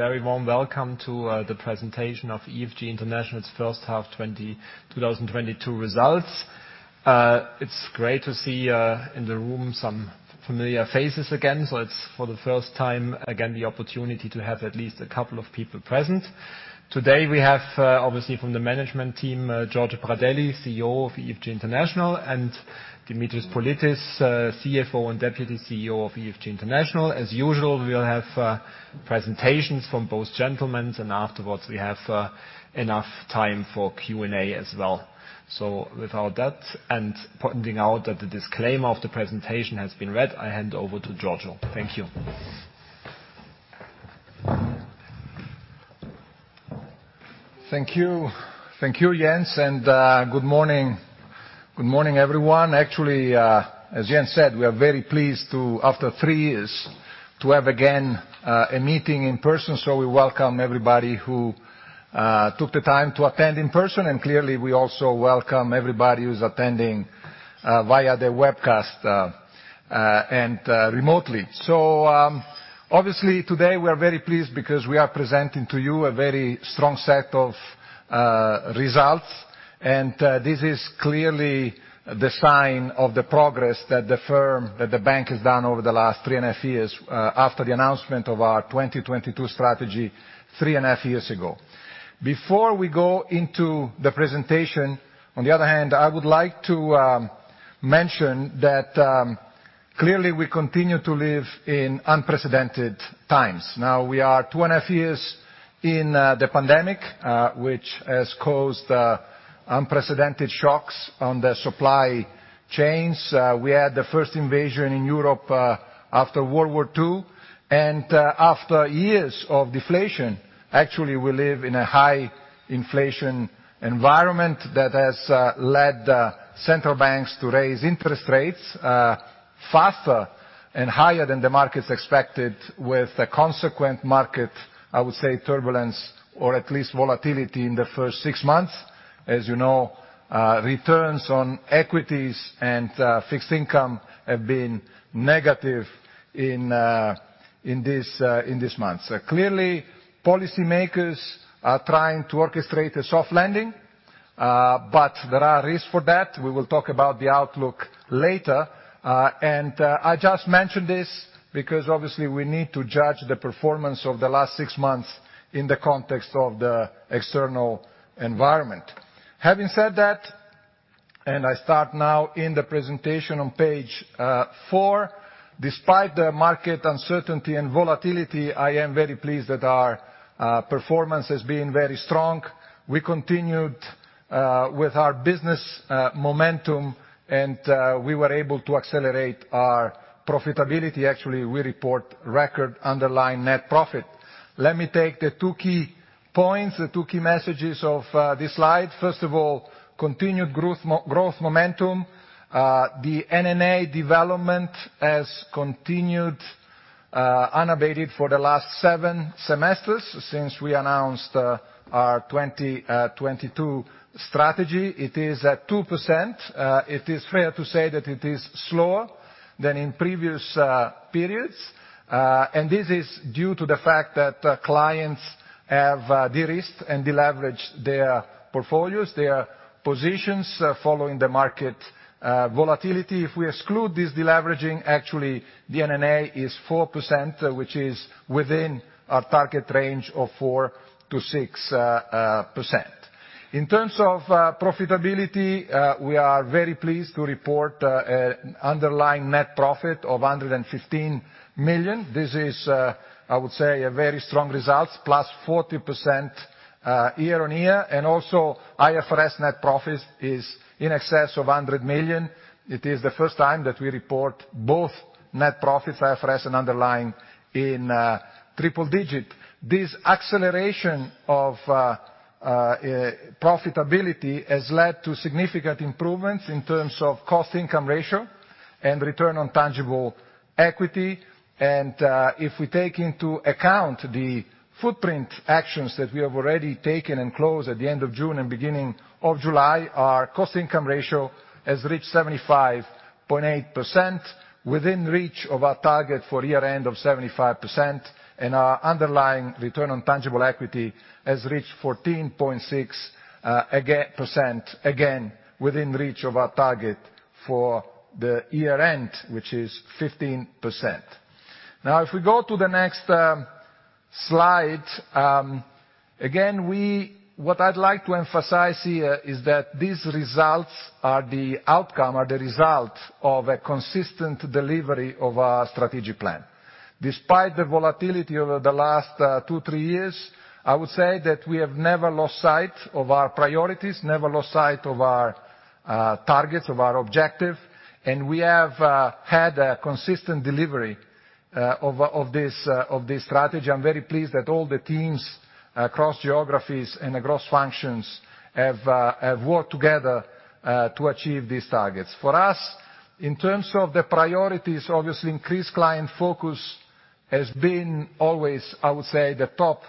A very warm welcome to the presentation of EFG International's first half 2022 results. It's great to see in the room some familiar faces again, so it's for the first time, again, the opportunity to have at least a couple of people present. Today, we have obviously from the management team Giorgio Pradelli, CEO of EFG International, and Dimitris Politis, CFO and Deputy CEO of EFG International. As usual, we'll have presentations from both gentlemen, and afterwards we have enough time for Q&A as well. So with all that, and pointing out that the disclaimer of the presentation has been read, I hand over to Giorgio. Thank you. Thank you, Jens, and good morning. Good morning, everyone. Actually, as Jens said, we are very pleased to, after three years, to have again a meeting in person. We welcome everybody who took the time to attend in person, and clearly, we also welcome everybody who's attending via the webcast and remotely. So obviously today we are very pleased because we are presenting to you a very strong set of results, and this is clearly the sign of the progress that the firm, that the bank has done over the last three and a half years, after the announcement of our 2022 strategy three and a half years ago. Before we go into the presentation, on the other hand, I would like to mention that clearly we continue to live in unprecedented times. Now, we are two and a half years in the pandemic, which has caused unprecedented shocks on the supply chains. We had the first invasion in Europe after World War II, and after years of deflation, actually, we live in a high inflation environment that has led central banks to raise interest rates faster and higher than the markets expected with the consequent market, I would say, turbulence or at least volatility in the first six months. As you know, returns on equities and fixed income have been negative in this month. So clearly, policymakers are trying to orchestrate a soft landing, but there are risks for that. We will talk about the outlook later. And I just mentioned this because obviously we need to judge the performance of the last six months in the context of the external environment. Having said that, I start now in the presentation on page four, despite the market uncertainty and volatility, I am very pleased that our performance has been very strong. We continued with our business momentum and we were able to accelerate our profitability. Actually, we report record underlying net profit. Let me take the two key points, the two key messages of this slide. First of all, continued growth momentum. The NNA development has continued unabated for the last seven semesters since we announced our 2022 strategy. It is at 2%. It is fair to say that it is slower than in previous periods. And this is due to the fact that clients have de-risked and de-leveraged their portfolios, their positions following the market volatility. If we exclude this de-leveraging, actually, the NNA is 4%, which is within our target range of 4%-6%. In terms of profitability, we are very pleased to report underlying net profit of 115 million. This is, I would say, a very strong result, plus 40% year-on-year. And also, IFRS net profit is in excess of 100 million. It is the first time that we report both net profits, IFRS and underlying, in triple digit. This acceleration of profitability has led to significant improvements in terms of cost-income ratio and return on tangible equity. And if we take into account the Footprint actions that we have already taken and closed at the end of June and beginning of July, our cost-income ratio has reached 75.8%, within reach of our target for year-end of 75%. Our underlying return on tangible equity has reached 14.6%, again, within reach of our target for the year-end, which is 15%. Now, if we go to the next slide, again, what I'd like to emphasize here is that these results are the outcome or the result of a consistent delivery of our strategic plan. Despite the volatility over the last two, three years, I would say that we have never lost sight of our priorities, never lost sight of our targets, of our objective, and we have had a consistent delivery of this strategy. I'm very pleased that all the teams across geographies and across functions have worked together to achieve these targets. For us, in terms of the priorities, obviously increased client focus has been always, I would say, the top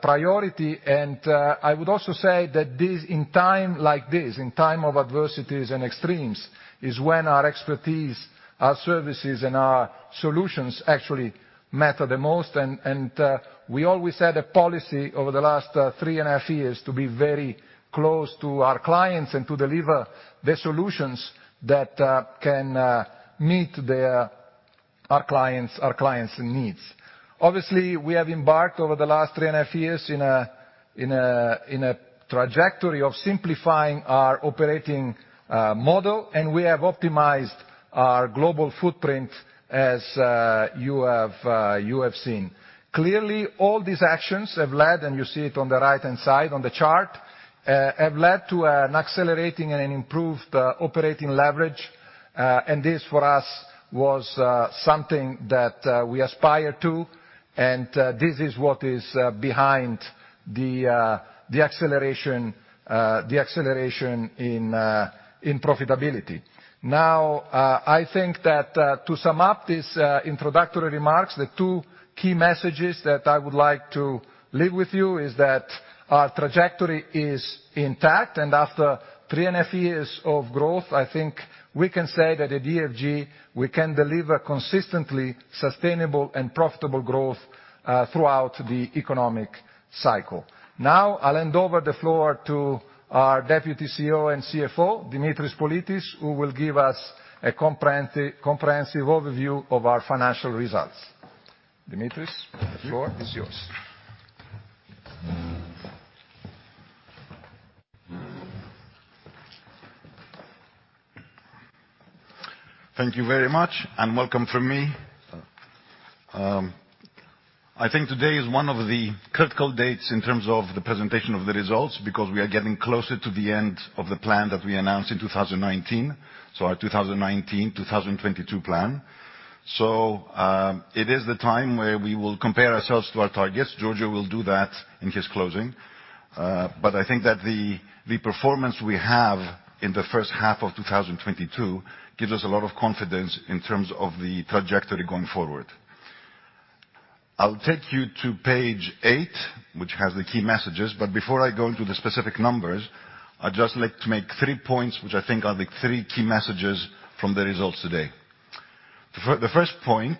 priority. I would also say that this, in times like this, in times of adversities and extremes, is when our expertise, our services, and our solutions actually matter the most. We always had a policy over the last three and a half years to be very close to our clients and to deliver the solutions that can meet our clients' needs. Obviously, we have embarked over the last three and a half years in a trajectory of simplifying our operating model, and we have optimized our global footprint as you have seen. Clearly, all these actions have led, and you see it on the right-hand side on the chart, have led to an accelerating and improved operating leverage. This, for us, was something that we aspire to, and this is what is behind the acceleration in profitability. Now, I think that, to sum up these introductory remarks, the two key messages that I would like to leave with you is that our trajectory is intact. After three and a half years of growth, I think we can say that at EFG, we can deliver consistently sustainable and profitable growth throughout the economic cycle. Now, I'll hand over the floor to our Deputy CEO and CFO, Dimitris Politis, who will give us a comprehensive overview of our financial results. Dimitris, the floor is yours. Thank you very much, and welcome from me. I think today is one of the critical dates in terms of the presentation of the results, because we are getting closer to the end of the plan that we announced in 2019. Our 2019 to 2022 plan. So it is the time where we will compare ourselves to our targets. Giorgio will do that in his closing. I think that the performance we have in the first half of 2022 gives us a lot of confidence in terms of the trajectory going forward. I'll take you to page eight, which has the key messages, but before I go into the specific numbers, I'd just like to make three points, which I think are the three key messages from the results today. The first point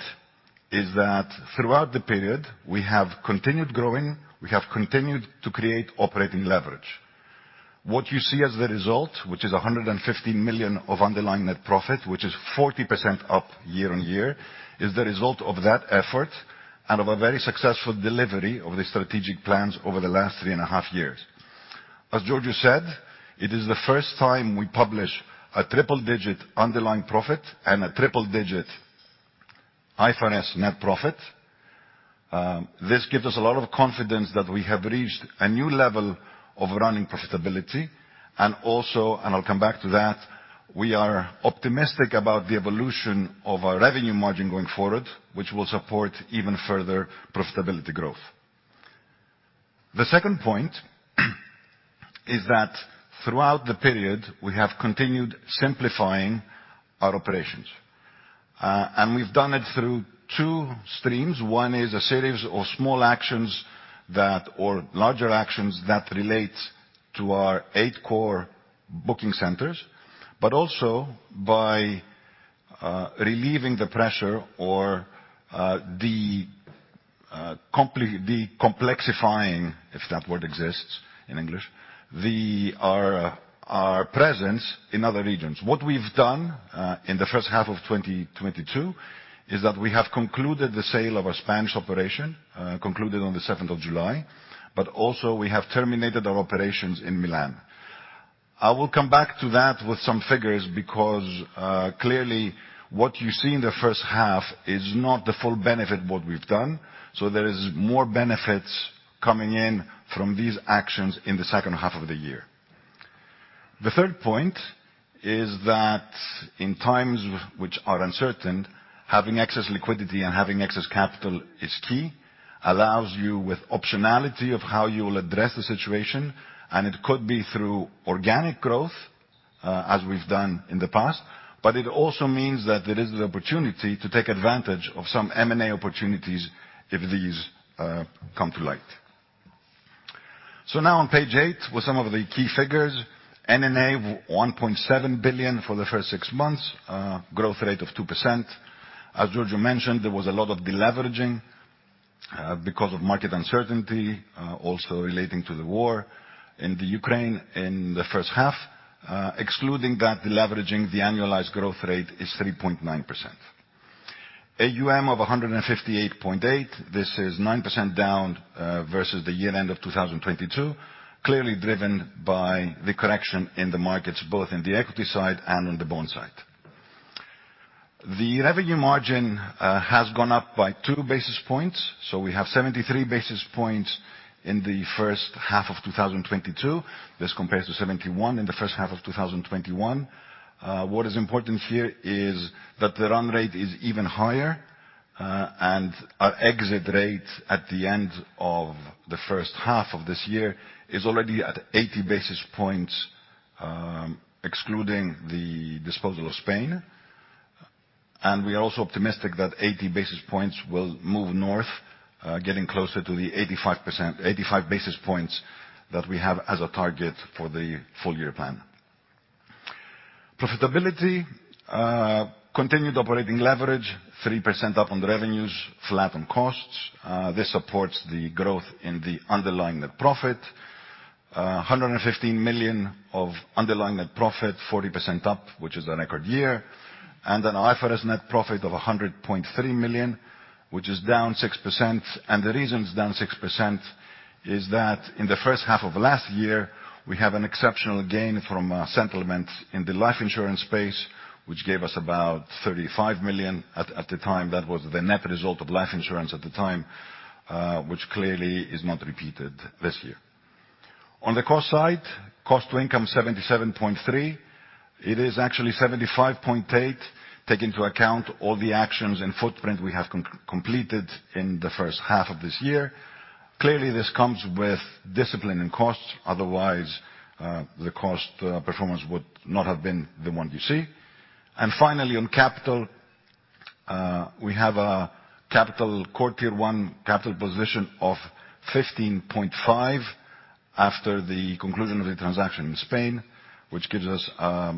is that throughout the period, we have continued growing, we have continued to create operating leverage. What you see as the result, which is 150 million of underlying net profit, which is 40% up year-on-year, is the result of that effort and of a very successful delivery of the strategic plans over the last three and a half years. As Giorgio said, it is the first time we publish a triple-digit underlying profit and a triple-digit IFRS net profit. This gives us a lot of confidence that we have reached a new level of running profitability. Also, I'll come back to that, we are optimistic about the evolution of our revenue margin going forward, which will support even further profitability growth. The second point is that throughout the period, we have continued simplifying our operations. We've done it through two streams. One is a series of small actions that, or larger actions that relate to our eight core booking centers. Also by relieving the pressure or the decomplexifying, if that word exists in English, our presence in other regions. What we've done in the first half of 2022 is that we have concluded the sale of our Spanish operation, concluded on the 7th of July, but also we have terminated our operations in Milan. I will come back to that with some figures because clearly what you see in the first half is not the full benefit what we've done. There is more benefits coming in from these actions in the second half of the year. The third point is that in times which are uncertain, having excess liquidity and having excess capital is key. Allows you with optionality of how you will address the situation, and it could be through organic growth, as we've done in the past, but it also means that there is the opportunity to take advantage of some M&A opportunities if these, come to light. Now on page eight with some of the key figures. NNA, 1.7 billion for the first six months, growth rate of 2%. As Giorgio mentioned, there was a lot of deleveraging, because of market uncertainty, also relating to the war in the Ukraine in the first six months. Excluding that deleveraging, the annualized growth rate is 3.9%. AUM of 158.8 billion. This is 9% down versus the year-end of 2022, clearly driven by the correction in the markets, both in the equity side and on the bond side. The revenue margin has gone up by 2 basis points, so we have 73 basis points in the first half of 2022. This compares to 71 in the first half of 2021. What is important here is that the run rate is even higher and our exit rate at the end of the first half of this year is already at 80 basis points, excluding the disposal of Spain. And we are also optimistic that 80 basis points will move north, getting closer to the 85%, 85 basis points that we have as a target for the full year plan. Profitability, continued operating leverage, 3% up on the revenues, flat on costs. This supports the growth in the underlying net profit. 115 million of underlying net profit, 40% up, which is a record year. IFRS net profit of 100.3 million, which is down 6%. The reason it's down 6% is that in the first half of last year, we had an exceptional gain from settlement in the life insurance space, which gave us about 35 million at the time. That was the net result of life insurance at the time, which clearly is not repeated this year. On the cost side, cost to income 77.3%. It is actually 75.8%, take into account all the actions and footprint we have completed in the first half of this year. Clearly, this comes with discipline and costs. Otherwise, the cost performance would not have been the one you see. Finally, on capital, we have a Core Tier 1 capital position of 15.5 after the conclusion of the transaction in Spain, which gives us a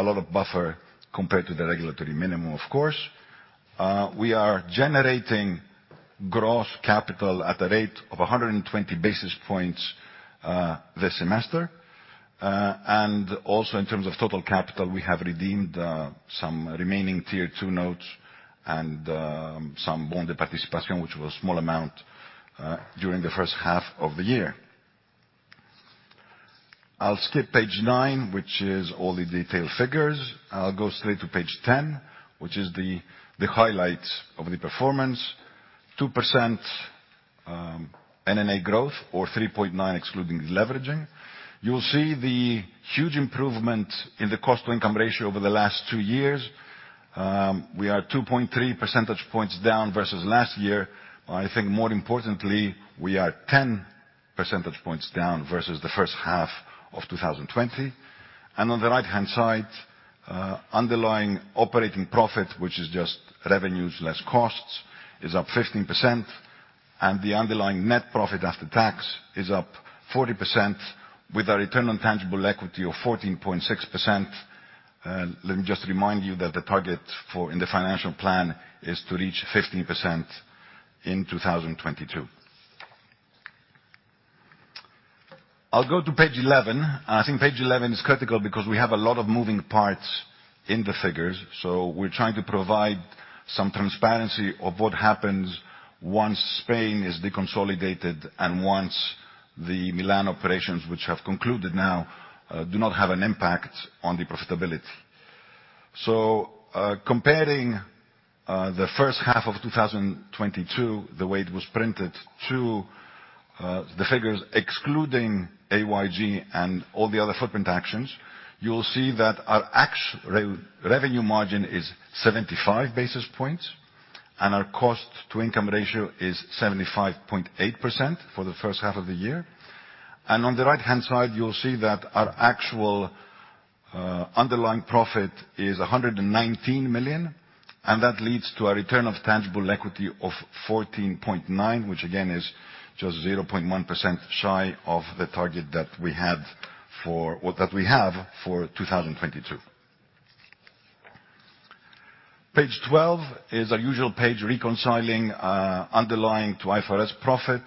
lot of buffer compared to the regulatory minimum, of course. We are generating gross capital at a rate of 120 basis points this semester. Also in terms of total capital, we have redeemed some remaining Tier 2 notes and some, which was small amount, during the first half of the year. I'll skip page nine, which is all the detailed figures. I'll go straight to page ten, which is the highlights of the performance. 2% NNA growth or 3.9 excluding the leveraging. You'll see the huge improvement in the cost-income ratio over the last two years. We are 2.3 percentage points down versus last year. I think more importantly, we are 10 percentage points down versus the first half of 2020. On the right-hand side, underlying operating profit, which is just revenues less costs, is up 15%, and the underlying net profit after tax is up 40% with a return on tangible equity of 14.6%. Let me just remind you that the target for, in the financial plan is to reach 15% in 2022. I'll go to page 11. I think page 11 is critical because we have a lot of moving parts in the figures. So we're trying to provide some transparency of what happens once Spain is deconsolidated and once the Milan operations, which have concluded now, do not have an impact on the profitability. So comparing the first half of 2022, the way it was printed, to the figures excluding A&G and all the other Footprint actions, you will see that our revenue margin is 75 basis points, and our cost-income ratio is 75.8% for the first half of the year. On the right-hand side, you'll see that our actual underlying profit is 119 million, and that leads to a return on tangible equity of 14.9%, which again is just 0.1% shy of the target that we had for, or that we have for 2022. Page 12 is our usual page reconciling underlying to IFRS profit.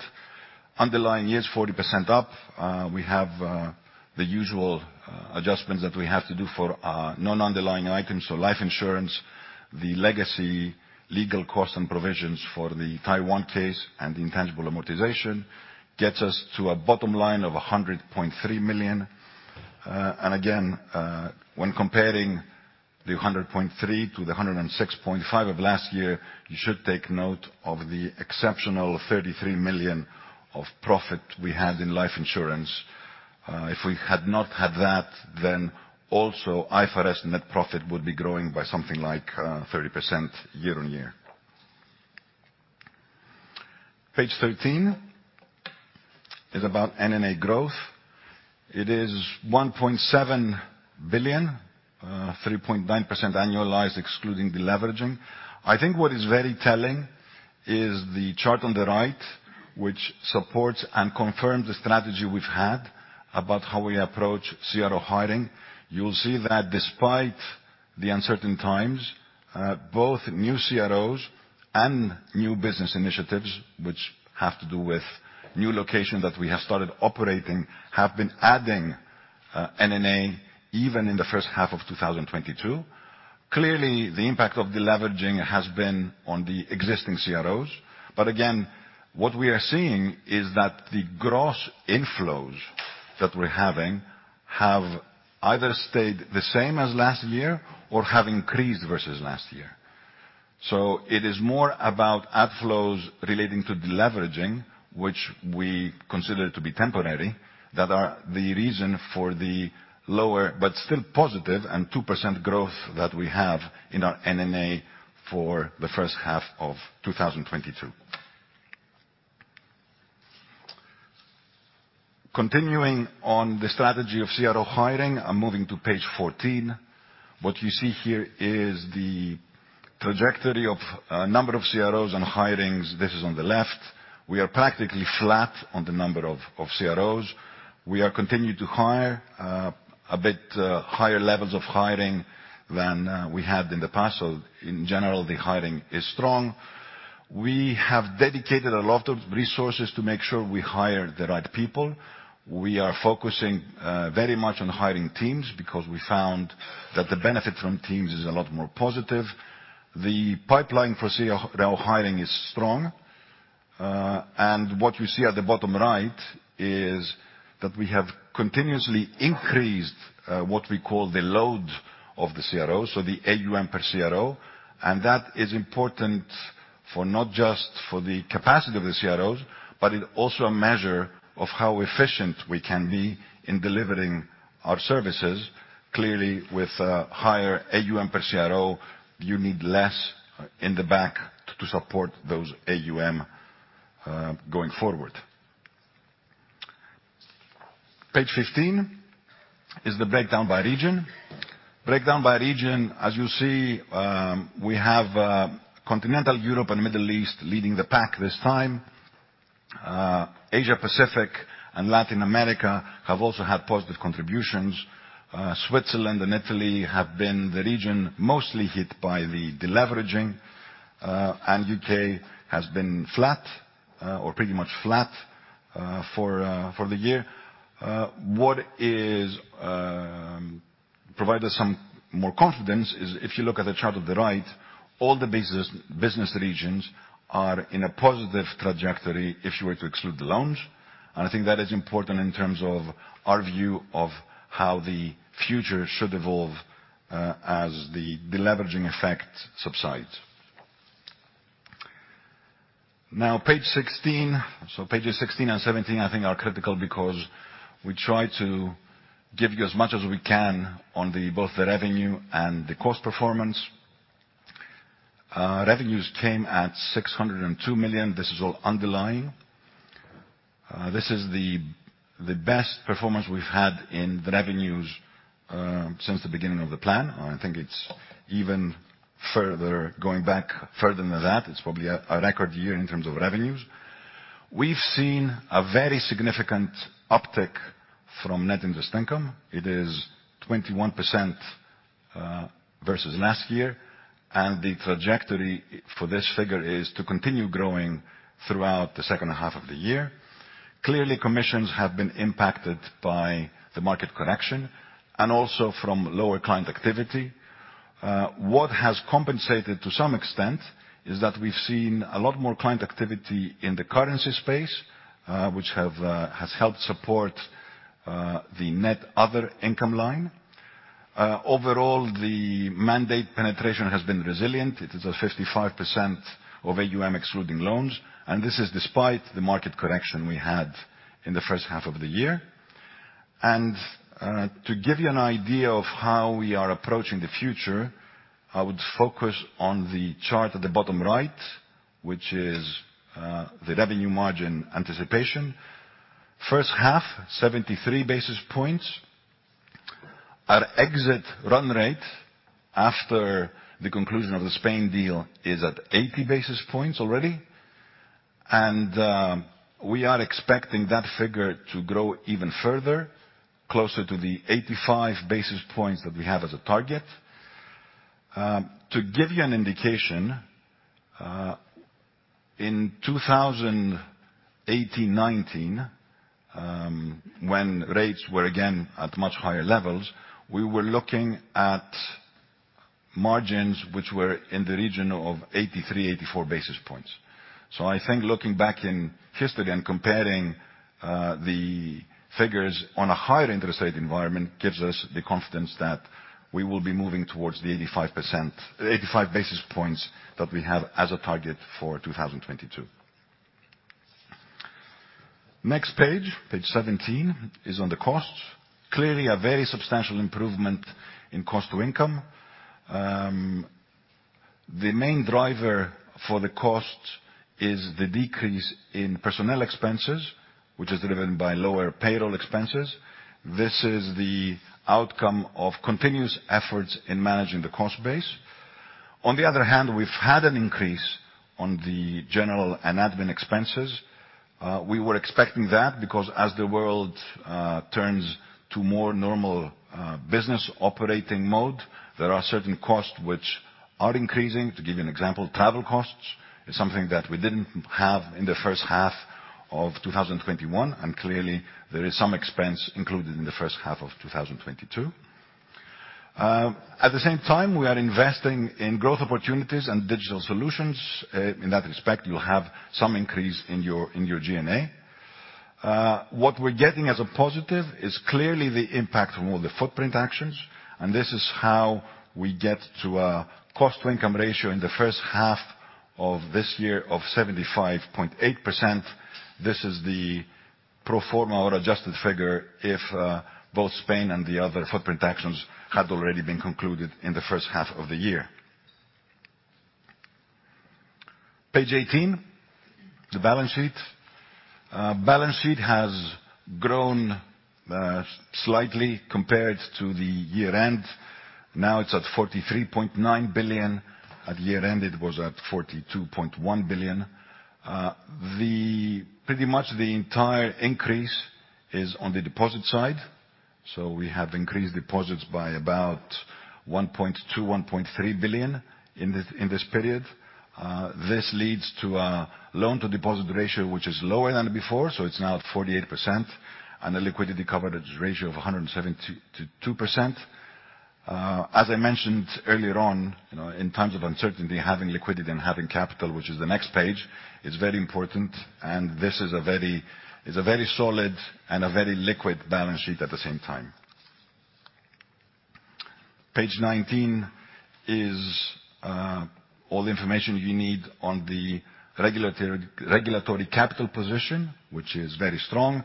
Underlying year is 40% up. We have the usual adjustments that we have to do for our non-underlying items. Life insurance, the legacy legal costs and provisions for the Taiwan case and the intangible amortization gets us to a bottom line of 100.3 million. And again, when comparing the 100.3 to the 106.5 of last year, you should take note of the exceptional 33 million of profit we had in life insurance. If we had not had that, then also IFRS net profit would be growing by something like 30% year on year. Page 13 is about NNA growth. It is 1.7 billion, 3.9% annualized excluding the leveraging. I think what is very telling is the chart on the right, which supports and confirms the strategy we've had about how we approach CRO hiring. You'll see that despite the uncertain times, both new CROs and new business initiatives, which have to do with new location that we have started operating, have been adding, NNA even in the first half of 2022. Clearly, the impact of deleveraging has been on the existing CROs. But again, what we are seeing is that the gross inflows that we're having have either stayed the same as last year or have increased versus last year. So it is more about outflows relating to deleveraging, which we consider to be temporary, that are the reason for the lower but still positive 2% growth that we have in our NNA for the first half of 2022. Continuing on the strategy of CRO hiring, I'm moving to page 14. What you see here is the trajectory of number of CROs and hirings. This is on the left. We are practically flat on the number of CROs. We are continuing to hire a bit higher levels of hiring than we had in the past. In general, the hiring is strong. We have dedicated a lot of resources to make sure we hire the right people. We are focusing very much on hiring teams because we found that the benefit from teams is a lot more positive. The pipeline for CRO hiring is strong. What you see at the bottom right is that we have continuously increased what we call the load of the CRO, so the AUM per CRO, and that is important for not just the capacity of the CROs, but it also a measure of how efficient we can be in delivering our services. Clearly, with higher AUM per CRO, you need less in the back to support those AUM going forward. Page 15 is the breakdown by region. Breakdown by region, as you see, we have Continental Europe and Middle East leading the pack this time. Asia Pacific and Latin America have also had positive contributions. Switzerland and Italy have been the region mostly hit by the deleveraging, and U.K. has been flat, or pretty much flat, for the year. What provides us some more confidence is if you look at the chart on the right, all the business regions are in a positive trajectory if you were to exclude the loans. I think that is important in terms of our view of how the future should evolve, as the deleveraging effect subsides. Now, page 16. Pages 16 and 17 I think are critical because we try to give you as much as we can on both the revenue and the cost performance. Revenues came at 602 million. This is all underlying. This is the best performance we've had in the revenues since the beginning of the plan. I think it's even further, going back further than that. It's probably a record year in terms of revenues. We've seen a very significant uptick from net interest income. It is 21% versus last year, and the trajectory for this figure is to continue growing throughout the second half of the year. Clearly, commissions have been impacted by the market correction and also from lower client activity. What has compensated to some extent is that we've seen a lot more client activity in the currency space, which has helped support the net other income line. Overall, the mandate penetration has been resilient. It is at 55% of AUM excluding loans, and this is despite the market correction we had in the first half of the year. To give you an idea of how we are approaching the future, I would focus on the chart at the bottom right, which is the revenue margin anticipation. First half, 73 basis points. Our exit run rate after the conclusion of the Spain deal is at 80 basis points already. We are expecting that figure to grow even further, closer to the 85 basis points that we have as a target. To give you an indication, in 2018, 2019, when rates were again at much higher levels, we were looking at margins which were in the region of 83, 84 basis points. So I think looking back in history and comparing the figures on a higher interest rate environment gives us the confidence that we will be moving towards the 85 basis points that we have as a target for 2022. Next page 17, is on the costs. Clearly, a very substantial improvement in cost to income. The main driver for the cost is the decrease in personnel expenses, which is driven by lower payroll expenses. This is the outcome of continuous efforts in managing the cost base. On the other hand, we've had an increase on the general and admin expenses. We were expecting that because as the world turns to more normal business operating mode, there are certain costs which are increasing. To give you an example, travel costs is something that we didn't have in the first half of 2021, and clearly there is some expense included in the first half of 2022. At the same time, we are investing in growth opportunities and digital solutions. In that respect, you'll have some increase in your G&A. What we're getting as a positive is clearly the impact from all the Footprint actions, and this is how we get to a cost-income ratio in the first half of this year of 75.8%. This is the pro forma or adjusted figure if both Spain and the other Footprint actions had already been concluded in the first half of the year. Page 18, the balance sheet. Balance sheet has grown slightly compared to the year-end. Now it's at 43.9 billion. At year-end it was at 42.1 billion. Pretty much the entire increase is on the deposit side. So we have increased deposits by about 1.2 billion-1.3 billion in this period. This leads to a Loan-to-Deposit Ratio which is lower than before, so it's now at 48%, and a Liquidity Coverage Ratio of 172%. As I mentioned earlier on, you know, in times of uncertainty, having liquidity and having capital, which is the next page, is very important, and this is a very solid and a very liquid balance sheet at the same time. Page 19 is all the information you need on the regulatory capital position, which is very strong.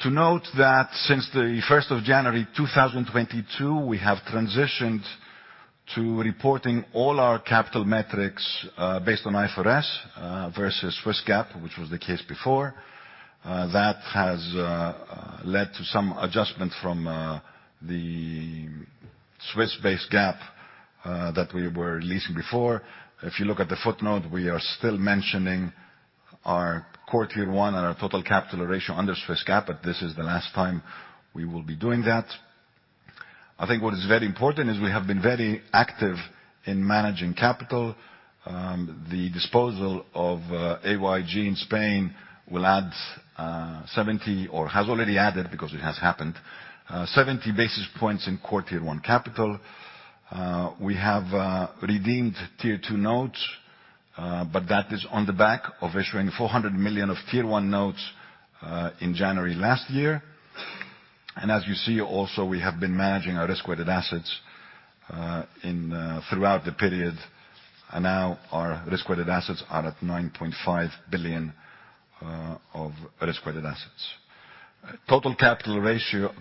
To note that since the first of January, 2022, we have transitioned to reporting all our capital metrics based on IFRS versus Swiss GAAP, which was the case before. That has led to some adjustment from the Swiss-based GAAP that we were releasing before. If you look at the footnote, we are still mentioning our Core Tier 1 and our total capital ratio under Swiss GAAP, but this is the last time we will be doing that. I think what is very important is we have been very active in managing capital. The disposal of A&G in Spain will add or has already added, because it has happened, 70 basis points in Core Tier 1 capital. We have redeemed Tier 2 notes, but that is on the back of issuing 400 million of Tier 1 notes in January last year. As you see, also, we have been managing our risk-weighted assets throughout the period. Now our risk-weighted assets are at 9.5 billion of risk-weighted assets. Total capital ratio,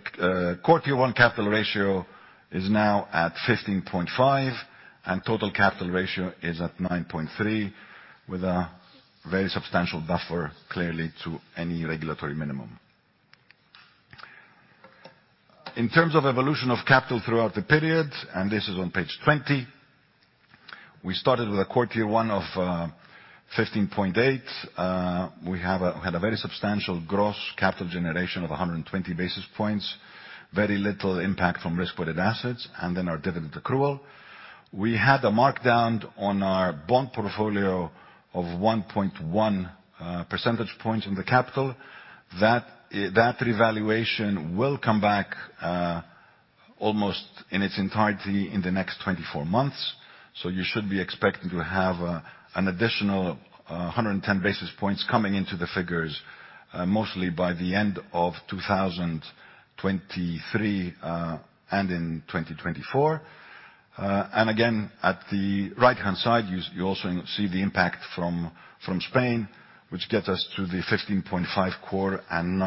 Core Tier 1 capital ratio is now at 15.5%, and total capital ratio is at 19.3%, with a very substantial buffer, clearly, to any regulatory minimum. In terms of evolution of capital throughout the period, this is on page 20, we started with a Core Tier 1 of 15.8%. We had a very substantial gross capital generation of 120 basis points, very little impact from Risk-Weighted Assets, and then our dividend accrual. We had a markdown on our bond portfolio of 1.1 percentage points in the capital. That revaluation will come back almost in its entirety in the next 24 months. You should be expecting to have an additional 110 basis points coming into the figures, mostly by the end of 2023 and in 2024. And again, at the right-hand side, you also see the impact from Spain, which gets us to the 15.5% core and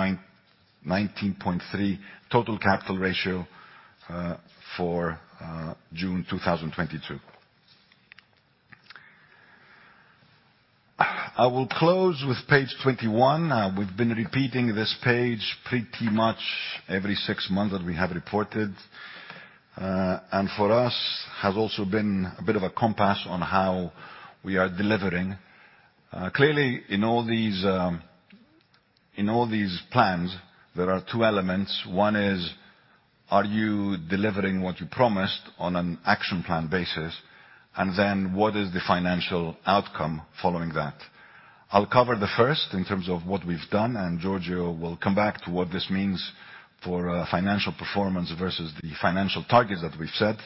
19.3% total capital ratio for June 2022. I will close with page 21. We've been repeating this page pretty much every six months that we have reported. For us, has also been a bit of a compass on how we are delivering. Clearly in all these plans, there are two elements. One is, are you delivering what you promised on an action plan basis? And then, what is the financial outcome following that? I'll cover the first in terms of what we've done, and Giorgio will come back to what this means for financial performance versus the financial targets that we've set.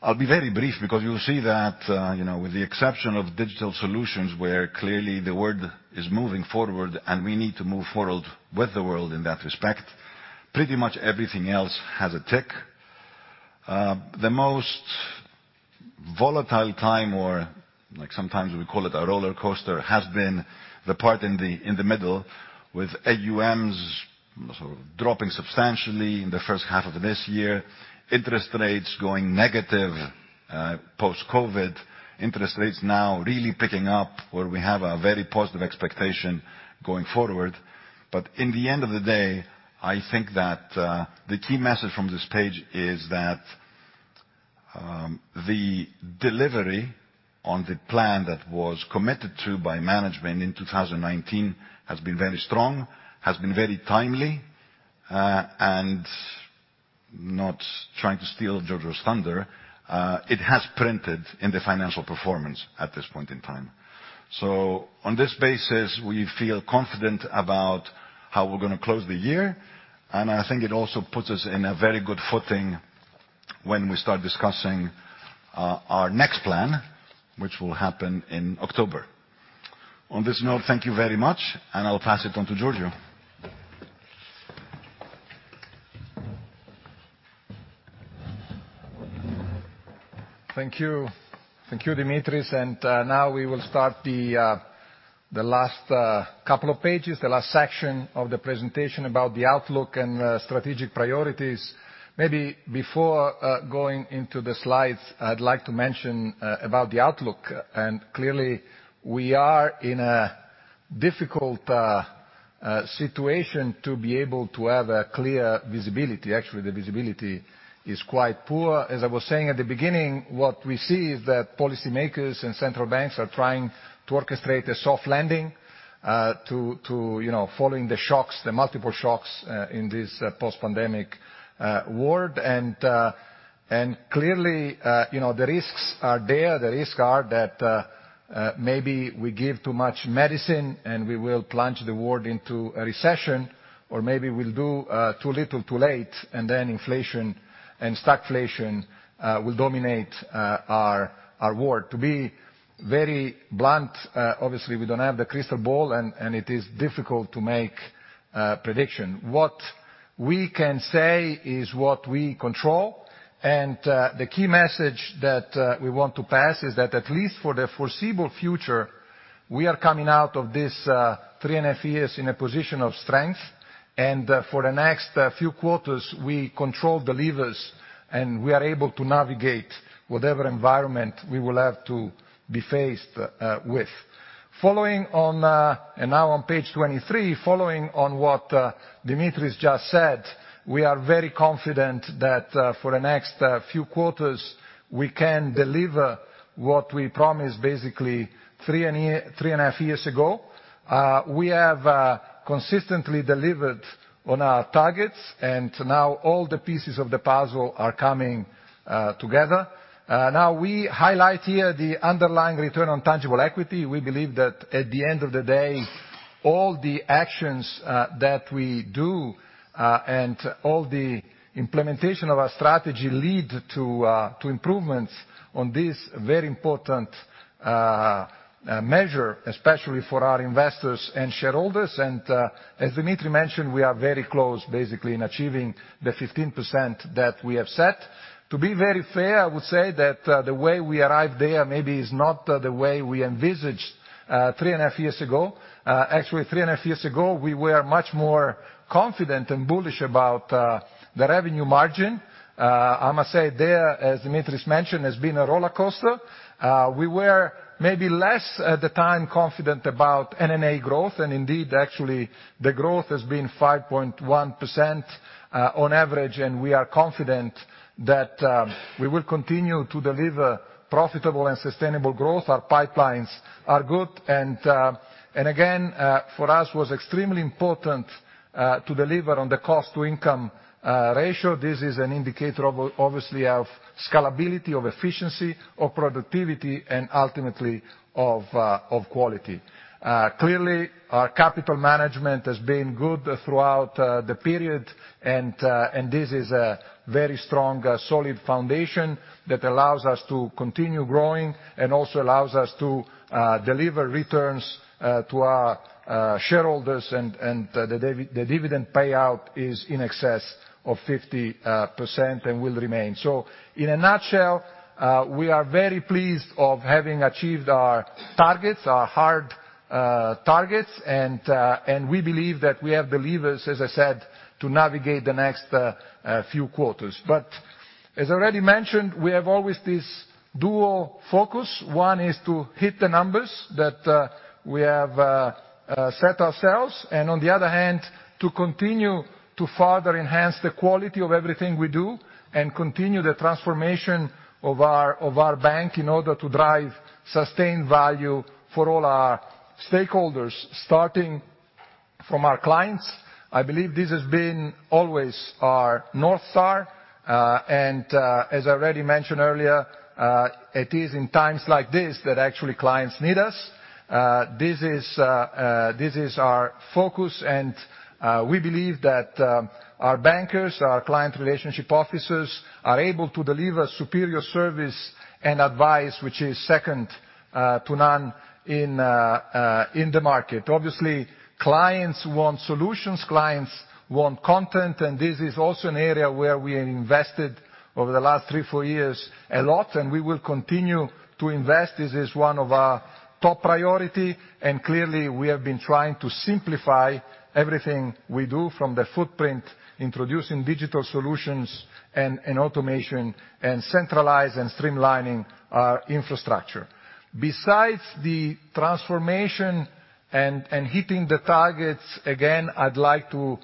I'll be very brief because you'll see that, you know, with the exception of digital solutions, where clearly the world is moving forward and we need to move forward with the world in that respect, pretty much everything else has a tick. The most volatile time, or like sometimes we call it a rollercoaster, has been the part in the middle with AUMs sort of dropping substantially in the first half of this year, interest rates going negative, post-COVID, interest rates now really picking up where we have a very positive expectation going forward. At the end of the day, I think that the key message from this page is that the delivery on the plan that was committed to by management in 2019 has been very strong, has been very timely, and not trying to steal Giorgio's thunder, it has printed in the financial performance at this point in time. So on this basis, we feel confident about how we're gonna close the year. I think it also puts us in a very good footing when we start discussing our next plan, which will happen in October. On this note, thank you very much, and I'll pass it on to Giorgio. Thank you. Thank you, Dimitris. Now we will start the last couple of pages, the last section of the presentation about the outlook and strategic priorities. Maybe before going into the slides, I'd like to mention about the outlook. Clearly we are in a difficult situation to be able to have a clear visibility. Actually, the visibility is quite poor. As I was saying at the beginning, what we see is that policymakers and central banks are trying to orchestrate a soft landing to you know following the shocks, the multiple shocks in this post-pandemic world. And clearly, you know, the risks are there. The risks are that, maybe we give too much medicine, and we will plunge the world into a recession, or maybe we'll do too little too late, and then inflation and stagflation will dominate our world. To be very blunt, obviously we don't have the crystal ball, and it is difficult to make prediction. What we can say is what we control, and the key message that we want to pass is that at least for the foreseeable future, we are coming out of this three and a half years in a position of strength. For the next few quarters, we control the levers, and we are able to navigate whatever environment we will have to be faced with. Following on. Now on page 23, following on what Dimitris just said, we are very confident that, for the next, few quarters, we can deliver what we promised basically three and a half years ago. We have consistently delivered on our targets, and now all the pieces of the puzzle are coming together. Now we highlight here the underlying return on tangible equity. We believe that at the end of the day, all the actions that we do and all the implementation of our strategy lead to improvements on this very important measure, especially for our investors and shareholders. As Dimitris mentioned, we are very close basically in achieving the 15% that we have set. To be very fair, I would say that the way we arrived there maybe is not the way we envisaged three and a half years ago. Actually, three and a half years ago, we were much more confident and bullish about the revenue margin. I must say there, as Dimitris mentioned, has been a rollercoaster. We were maybe less at the time confident about NNA growth. Indeed, actually the growth has been 5.1% on average, and we are confident that we will continue to deliver profitable and sustainable growth. Our pipelines are good. And again, for us was extremely important to deliver on the cost-to-income ratio. This is an indicator of obviously of scalability, of efficiency, of productivity, and ultimately of quality. Clearly, our capital management has been good throughout the period, and this is a very strong solid foundation that allows us to continue growing and also allows us to deliver returns to our shareholders, and the dividend payout is in excess of 50% and will remain. So in a nutshell, we are very pleased of having achieved our targets, our hard targets. We believe that we have the levers, as I said, to navigate the next few quarters. But as already mentioned, we have always this dual focus. One is to hit the numbers that we have set ourselves and on the other hand, to continue to further enhance the quality of everything we do and continue the transformation of our bank in order to drive sustained value for all our stakeholders, starting from our clients. I believe this has been always our North Star. And as I already mentioned earlier, it is in times like this that actually clients need us. This is our focus, and we believe that our bankers, our client relationship officers are able to deliver superior service and advice, which is second to none in the market. Obviously, clients want solutions, clients want content, and this is also an area where we invested over the last three, four years a lot, and we will continue to invest. This is one of our top priority, and clearly we have been trying to simplify everything we do from the Footprint, introducing digital solutions and automation and centralize and streamlining our infrastructure. Besides the transformation and hitting the targets, again, I'd like to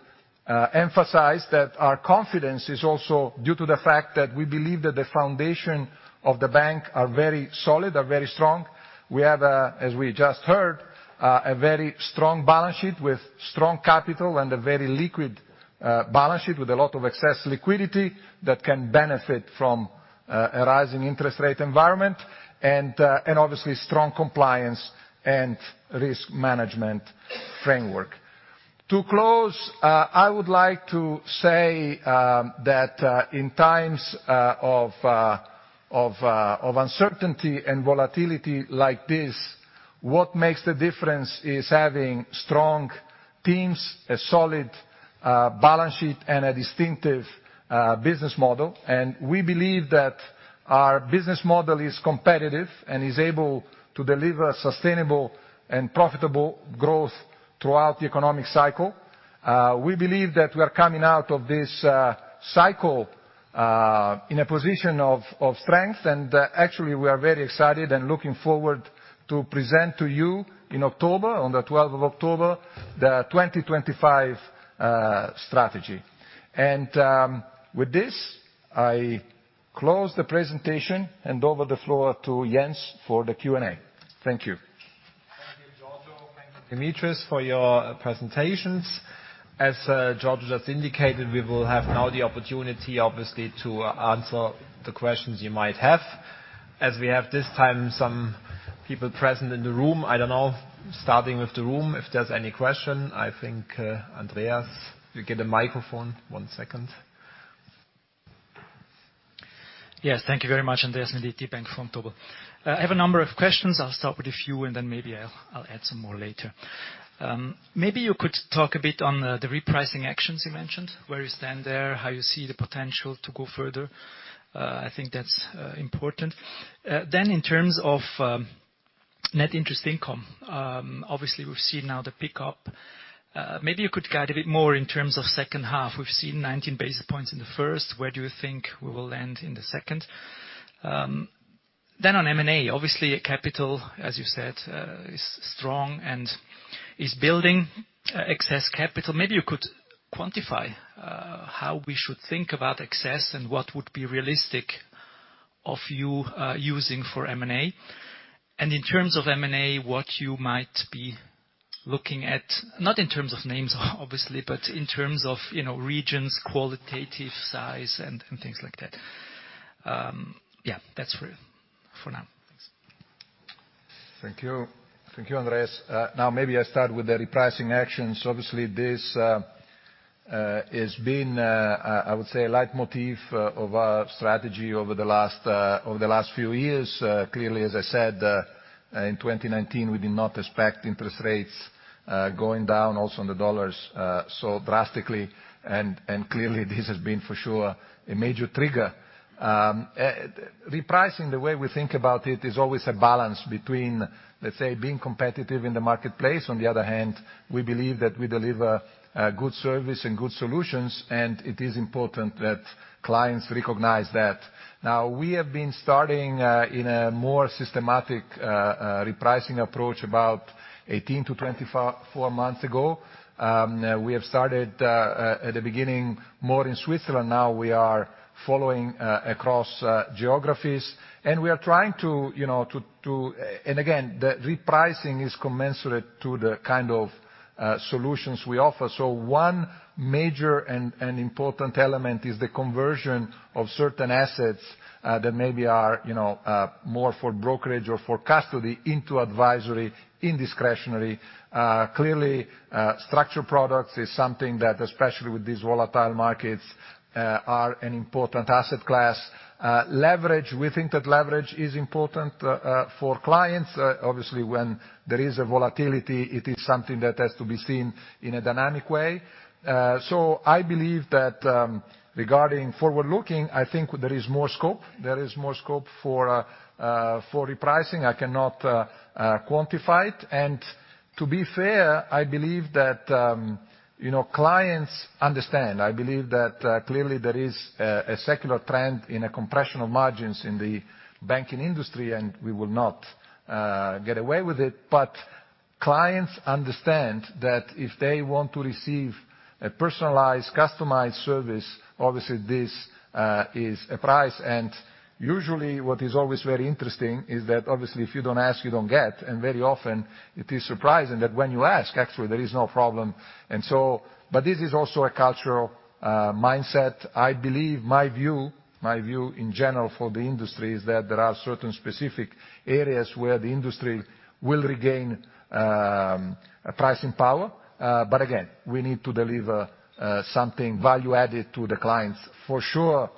emphasize that our confidence is also due to the fact that we believe that the foundation of the bank are very solid, are very strong. We have, as we just heard, a very strong balance sheet with strong capital and a very liquid balance sheet with a lot of excess liquidity that can benefit from a rising interest rate environment and obviously strong compliance and risk management framework. To close, I would like to say that in times of uncertainty and volatility like this. What makes the difference is having strong teams, a solid balance sheet, and a distinctive business model. We believe that our business model is competitive and is able to deliver sustainable and profitable growth throughout the economic cycle. We believe that we are coming out of this cycle in a position of strength, and actually, we are very excited and looking forward to present to you in October, on the 12th of October, the 2025 strategy. With this, I close the presentation and hand over the floor to Jens for the Q&A. Thank you. Thank you, Giorgio. Thank you, Dimitris, for your presentations. As Giorgio just indicated, we will have now the opportunity obviously to answer the questions you might have. As we have this time some people present in the room, I don't know, starting with the room, if there's any question. I think, Andreas, you get a microphone. One second. Yes. Thank you very much. Andreas from Bank Vontobel AG. I have a number of questions. I'll start with a few and then maybe I'll add some more later. Maybe you could talk a bit on the repricing actions you mentioned, where you stand there, how you see the potential to go further. I think that's important. Then in terms of net interest income, obviously, we've seen now the pick-up. Maybe you could guide a bit more in terms of second half. We've seen 19 basis points in the first. Where do you think we will end in the second? Then on M&A, obviously, capital, as you said, is strong and is building excess capital. Maybe you could quantify how we should think about excess and what would be realistic of you using for M&A. And in terms of M&A, what you might be looking at, not in terms of names, obviously, but in terms of regions, qualitative size, and things like that. Yeah, that's for you, for now. Thank you. Thank you. Thank you, Andreas. Now maybe I start with the repricing actions. Obviously, this has been, I would say leitmotif of our strategy over the last few years. Clearly, as I said, in 2019, we did not expect interest rates going down, also on the dollars, so drastically and clearly this has been for sure a major trigger. Repricing, the way we think about it, is always a balance between, let's say, being competitive in the marketplace. On the other hand, we believe that we deliver good service and good solutions, and it is important that clients recognize that. Now, we have been starting in a more systematic repricing approach about 18-24 months ago. We have started at the beginning more in Switzerland. Now we are following across geographies, and we are trying to, you know, to. Again, the repricing is commensurate to the kind of solutions we offer. One major and important element is the conversion of certain assets that maybe are, you know, more for brokerage or for custody into advisory, in discretionary. Clearly, structured products is something that, especially with these volatile markets, are an important asset class. Leverage, we think that leverage is important for clients. Obviously, when there is a volatility, it is something that has to be seen in a dynamic way. I believe that, regarding forward-looking, I think there is more scope. There is more scope for repricing. I cannot quantify it. To be fair, I believe that, you know, clients understand. I believe that clearly there is a secular trend in a compression of margins in the banking industry, and we will not get away with it. But clients understand that if they want to receive a personalized, customized service, obviously this is a price. And usually, what is always very interesting is that obviously, if you don't ask, you don't get, and very often it is surprising that when you ask, actually, there is no problem. And so this is also a cultural mindset. I believe my view in general for the industry is that there are certain specific areas where the industry will regain pricing power. But again, we need to deliver something value added to the clients. For sure,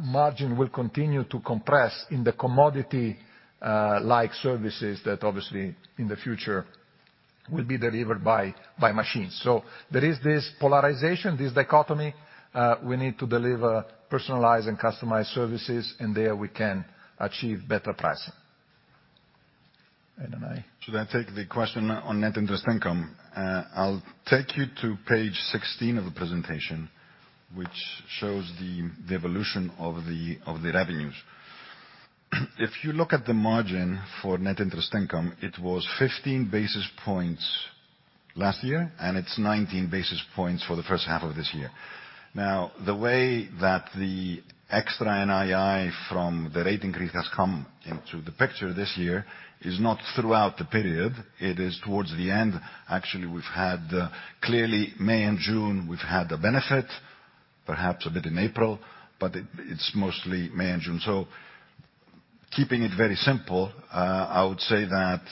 margin will continue to compress in the commodity, like services that obviously in the future will be delivered by machines. There is this polarization, this dichotomy, we need to deliver personalized and customized services, and there we can achieve better pricing. I don't know. Should I take the question on net interest income? I'll take you to page 16 of the presentation, which shows the evolution of the revenues. If you look at the margin for net interest income, it was 15 basis points last year, and it's 19 basis points for the first half of this year. Now, the way that the extra NII from the rate increase has come into the picture this year is not throughout the period, it is towards the end. Actually, we've had clearly May and June, we've had a benefit, perhaps a bit in April, but it's mostly May and June. Keeping it very simple, I would say that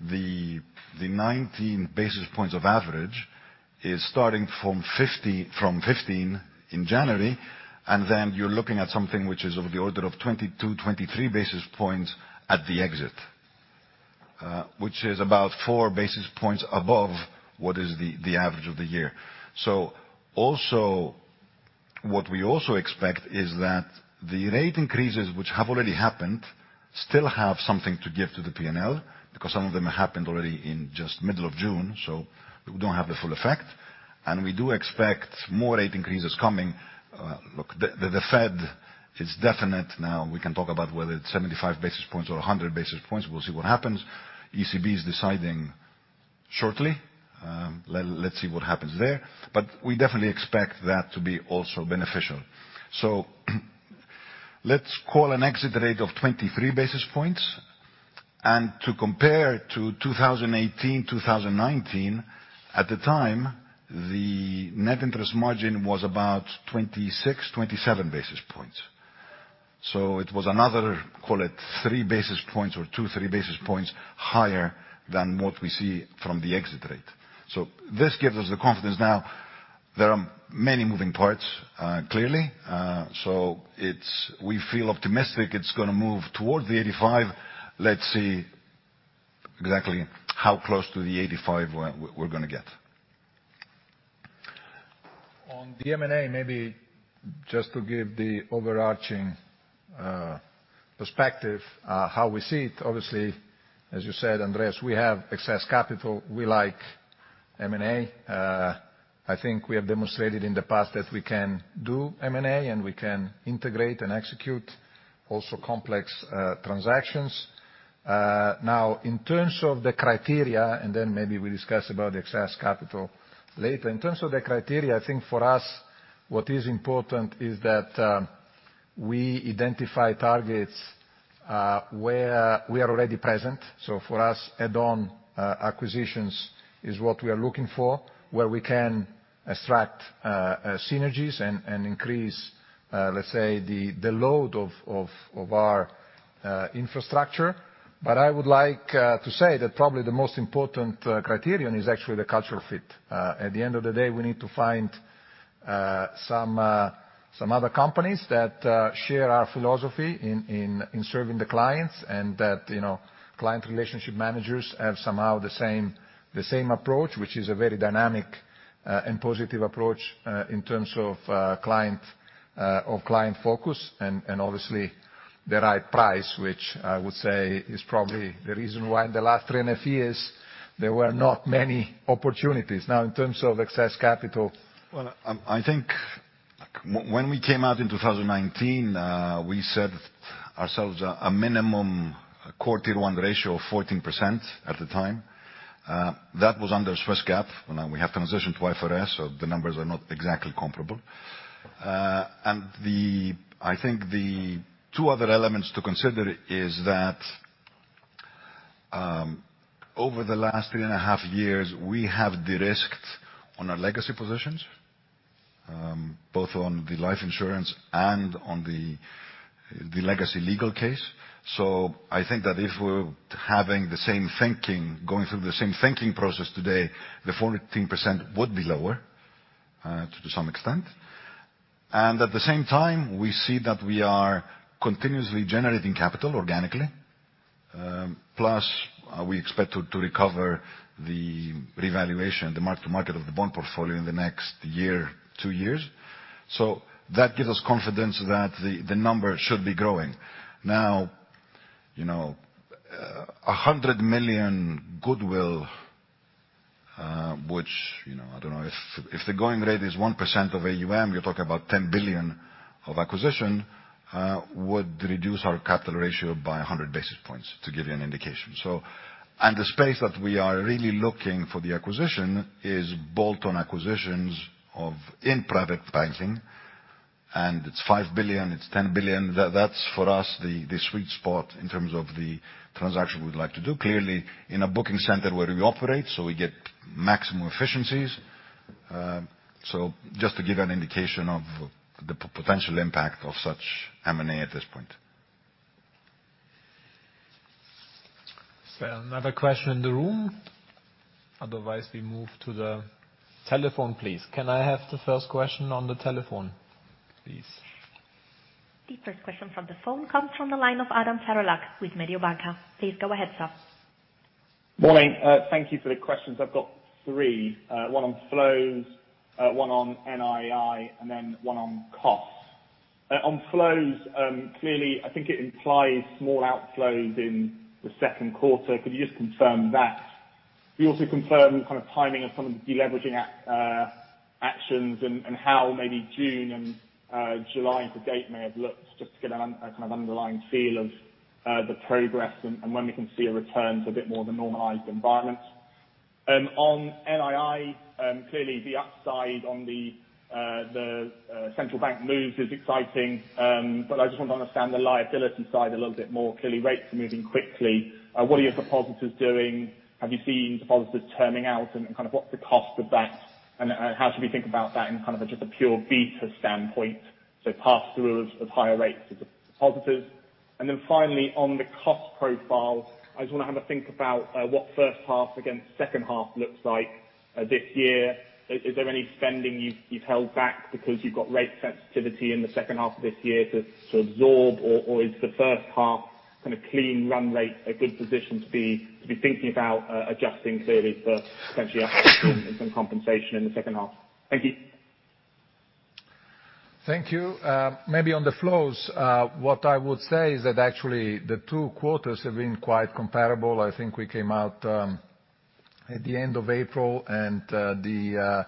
the 19 basis points of average It's starting from 50, from 15 in January, and then you're looking at something which is of the order of 22-23 basis points at the exit. Which is about 4 basis points above what is the average of the year. So also what we also expect is that the rate increases which have already happened still have something to give to the P&L, because some of them happened already in just middle of June, so we don't have the full effect. We do expect more rate increases coming. Look, the Fed is definite now. We can talk about whether it's 75 basis points or 100 basis points. We'll see what happens. ECB is deciding shortly, let's see what happens there. We definitely expect that to be also beneficial. Let's call an exit rate of 23 basis points. To compare to 2018, 2019, at the time, the net interest margin was about 26-27 basis points. So it was another, call it, 3 basis points or 2-3 basis points higher than what we see from the exit rate. So this gives us the confidence now. There are many moving parts, clearly. So we feel optimistic it's gonna move towards the 85. Let's see exactly how close to the 85 we're gonna get. On the M&A, maybe just to give the overarching perspective, how we see it. Obviously, as you said, Andreas, we have excess capital. We like M&A. I think we have demonstrated in the past that we can do M&A, and we can integrate and execute also complex transactions. Now in terms of the criteria, and then maybe we discuss about the excess capital later. In terms of the criteria, I think for us what is important is that we identify targets where we are already present. So for us, add-on acquisitions is what we are looking for, where we can extract synergies and increase, let's say the load of our infrastructure. But I would like to say that probably the most important criterion is actually the cultural fit. At the end of the day, we need to find some other companies that share our philosophy in serving the clients and that, you know, client relationship managers have somehow the same approach, which is a very dynamic and positive approach in terms of client focus, and obviously the right price, which I would say is probably the reason why in the last three and a half years there were not many opportunities. Now, in terms of excess capital. Well, I think when we came out in 2019, we set ourselves a minimum Core Tier 1 ratio of 14% at the time. That was under Swiss GAAP. Now we have transitioned to IFRS, so the numbers are not exactly comparable. I think the two other elements to consider is that, over the last three and a half years we have de-risked on our legacy positions, both on the life insurance and on the legacy legal case. I think that if we're having the same thinking, going through the same thinking process today, the 14% would be lower, to some extent. And at the same time, we see that we are continuously generating capital organically, plus we expect to recover the revaluation, the mark to market of the bond portfolio in the next year, two years. So that gives us confidence that the number should be growing. Now, you know, 100 million goodwill, which, you know, I don't know if the going rate is 1% of AUM, you're talking about 10 billion of acquisition, would reduce our capital ratio by 100 basis points, to give you an indication. So the space that we are really looking for the acquisition is bolt-on acquisitions of in-product banking. And it's 5 billion, it's 10 billion. That's for us, the sweet spot in terms of the transaction we'd like to do. Clearly in a booking center where we operate, so we get maximum efficiencies. Just to give an indication of the potential impact of such M&A at this point. Is there another question in the room? Otherwise, we move to the telephone, please. Can I have the first question on the telephone, please? The first question from the phone comes from the line of Adam Terelak with Mediobanca. Please go ahead, sir. Morning. Thank you for the questions. I've got three. One on flows, one on NII, and then one on costs. On flows, clearly, I think it implies small outflows in the second quarter. Could you just confirm that? Could you also confirm kind of timing of some of the deleveraging actions and how maybe June and July to date may have looked, just to get a kind of underlying feel of the progress and when we can see a return to a bit more of a normalized environment? And on NII, clearly the upside on the central bank moves is exciting, but I just want to understand the liability side a little bit more. Clearly, rates are moving quickly. What are your depositors doing? Have you seen depositors turning out and kind of what's the cost of that? How should we think about that in kind of just a pure beta standpoint, so pass-through of higher rates of deposits? Then finally, on the cost profile, I just want to have a think about what first half against second half looks like this year. Is there any spending you've held back because you've got rate sensitivity in the second half of this year to absorb? Or is the first half kind of clean run rate a good position to be thinking about adjusting clearly for potentially some compensation in the second half? Thank you. Thank you. Maybe on the flows, what I would say is that actually the two quarters have been quite comparable. I think we came out at the end of April, and the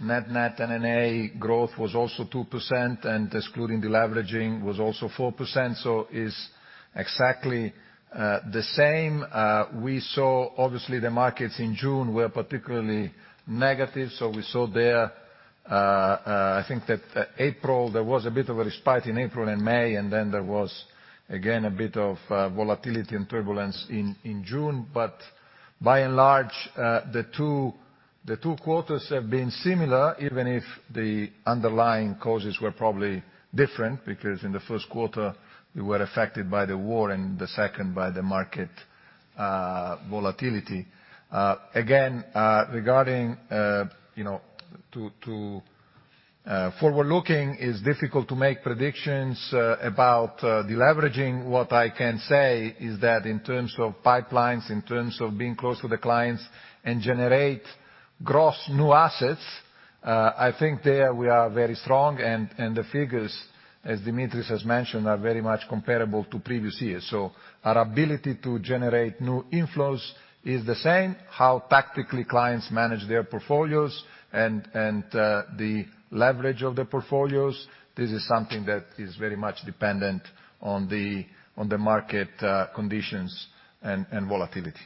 net-net NNA growth was also 2%, and excluding the leveraging was also 4%, so is exactly the same. We saw obviously the markets in June were particularly negative, so we saw there. I think that April, there was a bit of a respite in April and May, and then there was again a bit of volatility and turbulence in June. By and large, the two quarters have been similar, even if the underlying causes were probably different. Because in the first quarter, we were affected by the war, and the second by the market volatility. Again, regarding, you know, to forward looking is difficult to make predictions about deleveraging. What I can say is that in terms of pipelines, in terms of being close to the clients and generate gross new assets, I think there we are very strong and the figures, as Dimitris has mentioned, are very much comparable to previous years. So our ability to generate new inflows is the same, how tactically clients manage their portfolios and the leverage of the portfolios, this is something that is very much dependent on the market conditions and volatility.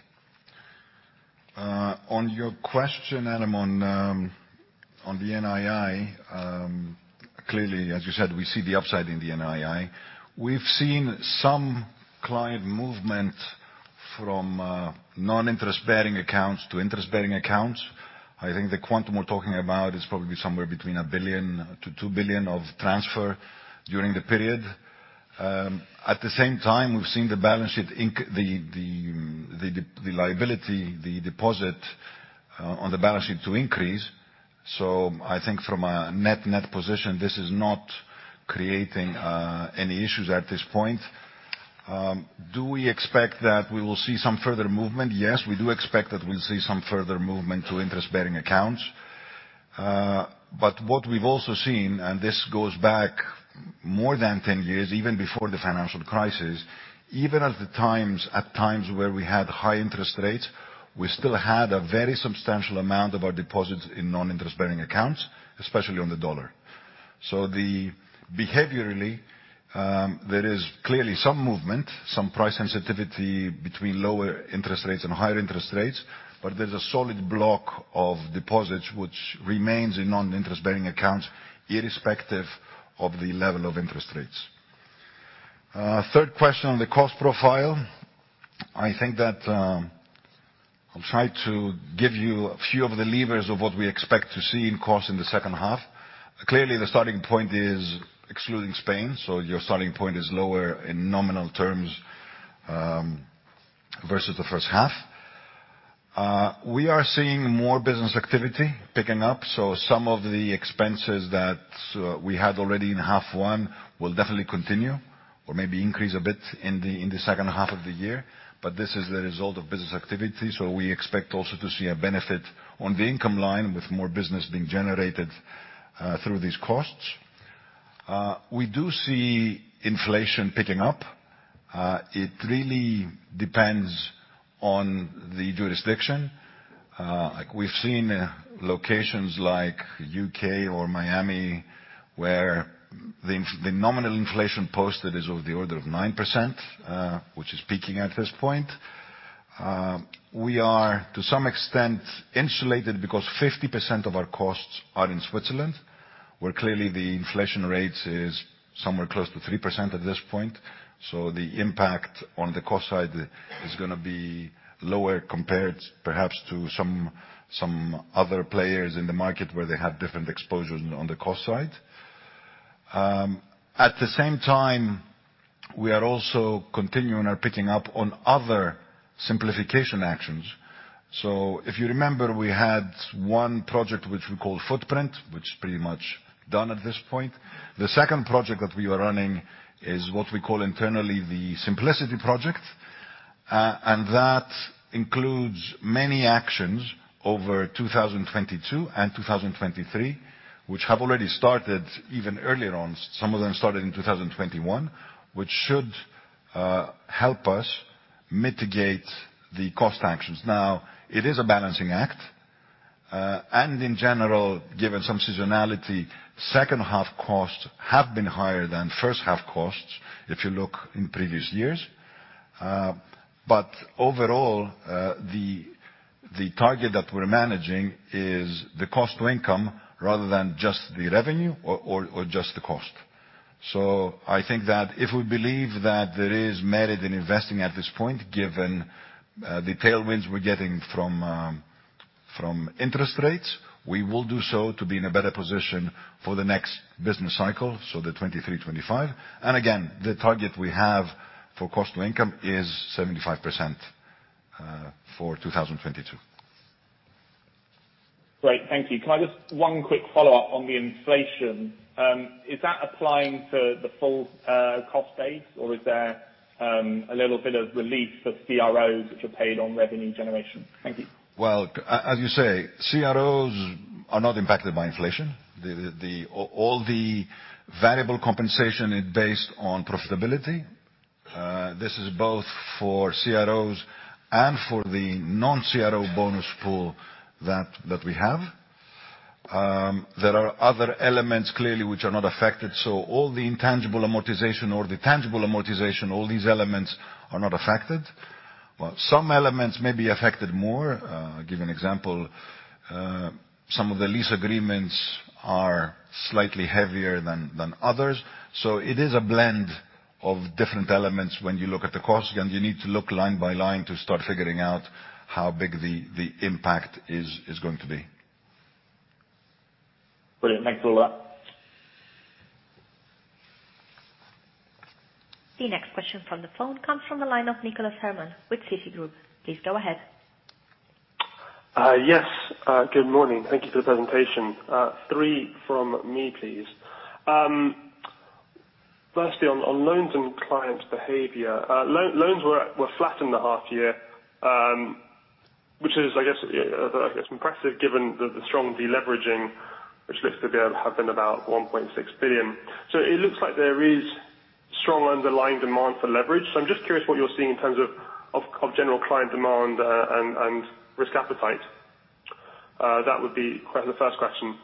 On your question, Adam, on the NII, clearly, as you said, we see the upside in the NII. We've seen some client movement from non-interest-bearing accounts to interest-bearing accounts. I think the quantum we're talking about is probably somewhere between $1 billion-$2 billion of transfer during the period. At the same time, we've seen the deposit liability on the balance sheet to increase. I think from a net-net position, this is not creating any issues at this point. Do we expect that we will see some further movement? Yes, we do expect that we'll see some further movement to interest-bearing accounts. But what we've also seen, and this goes back more than 10 years, even before the financial crisis, at times where we had high interest rates, we still had a very substantial amount of our deposits in non-interest-bearing accounts, especially on the dollar. So behaviorally, there is clearly some movement, some price sensitivity between lower interest rates and higher interest rates, but there's a solid block of deposits which remains in non-interest-bearing accounts, irrespective of the level of interest rates. Third question on the cost profile. I think that, I'll try to give you a few of the levers of what we expect to see in cost in the second half. Clearly, the starting point is excluding Spain, so your starting point is lower in nominal terms, versus the first half. We are seeing more business activity picking up, so some of the expenses that we had already in half one will definitely continue or maybe increase a bit in the second half of the year. But this is the result of business activity, so we expect also to see a benefit on the income line with more business being generated through these costs. We do see inflation picking up. It really depends on the jurisdiction. Like we've seen locations like U.K. or Miami, where the nominal inflation posted is of the order of 9%, which is peaking at this point. We are to some extent insulated because 50% of our costs are in Switzerland, where clearly the inflation rate is somewhere close to 3% at this point. So the impact on the cost side is gonna be lower compared perhaps to some other players in the market where they have different exposures on the cost side. At the same time, we are also continuing our picking up on other simplification actions. So if you remember, we had one project which we call Footprint, which is pretty much done at this point. The second project that we are running is what we call internally the Simplicity project. And that includes many actions over 2022 and 2023, which have already started even earlier on. Some of them started in 2021, which should help us mitigate the cost actions. Now, it is a balancing act, and in general, given some seasonality, second half costs have been higher than first half costs, if you look in previous years. But overall, the target that we're managing is the cost to income rather than just the revenue or, or just the cost. So I think that if we believe that there is merit in investing at this point, given the tailwinds we're getting from interest rates, we will do so to be in a better position for the next business cycle, so 2023-2025. Again, the target we have for cost-to-income is 75% for 2022. Great. Thank you. Can I just one quick follow-up on the inflation. Is that applying to the full cost base, or is there a little bit of relief of CROs which are paid on revenue generation? Thank you. Well, as you say, CROs are not impacted by inflation. All the variable compensation is based on profitability. This is both for CROs and for the non-CRO bonus pool that we have. There are other elements clearly which are not affected. All the intangible amortization or the tangible amortization, all these elements are not affected. Some elements may be affected more. Give you an example, some of the lease agreements are slightly heavier than others. So it is a blend of different elements when you look at the cost, and you need to look line by line to start figuring out how big the impact is going to be. Brilliant. Thanks a lot. The next question from the phone comes from the line of Nicholas Herman with Citigroup. Please go ahead. Yes. Good morning. Thank you for the presentation. Three from me, please. Firstly on loans and client behavior. Loans were flat in the half year, which is, I guess, impressive given the strong deleveraging we listed. There have been about 1.6 billion. It looks like there is strong underlying demand for leverage. I'm just curious what you're seeing in terms of general client demand and risk appetite. That would be the first question.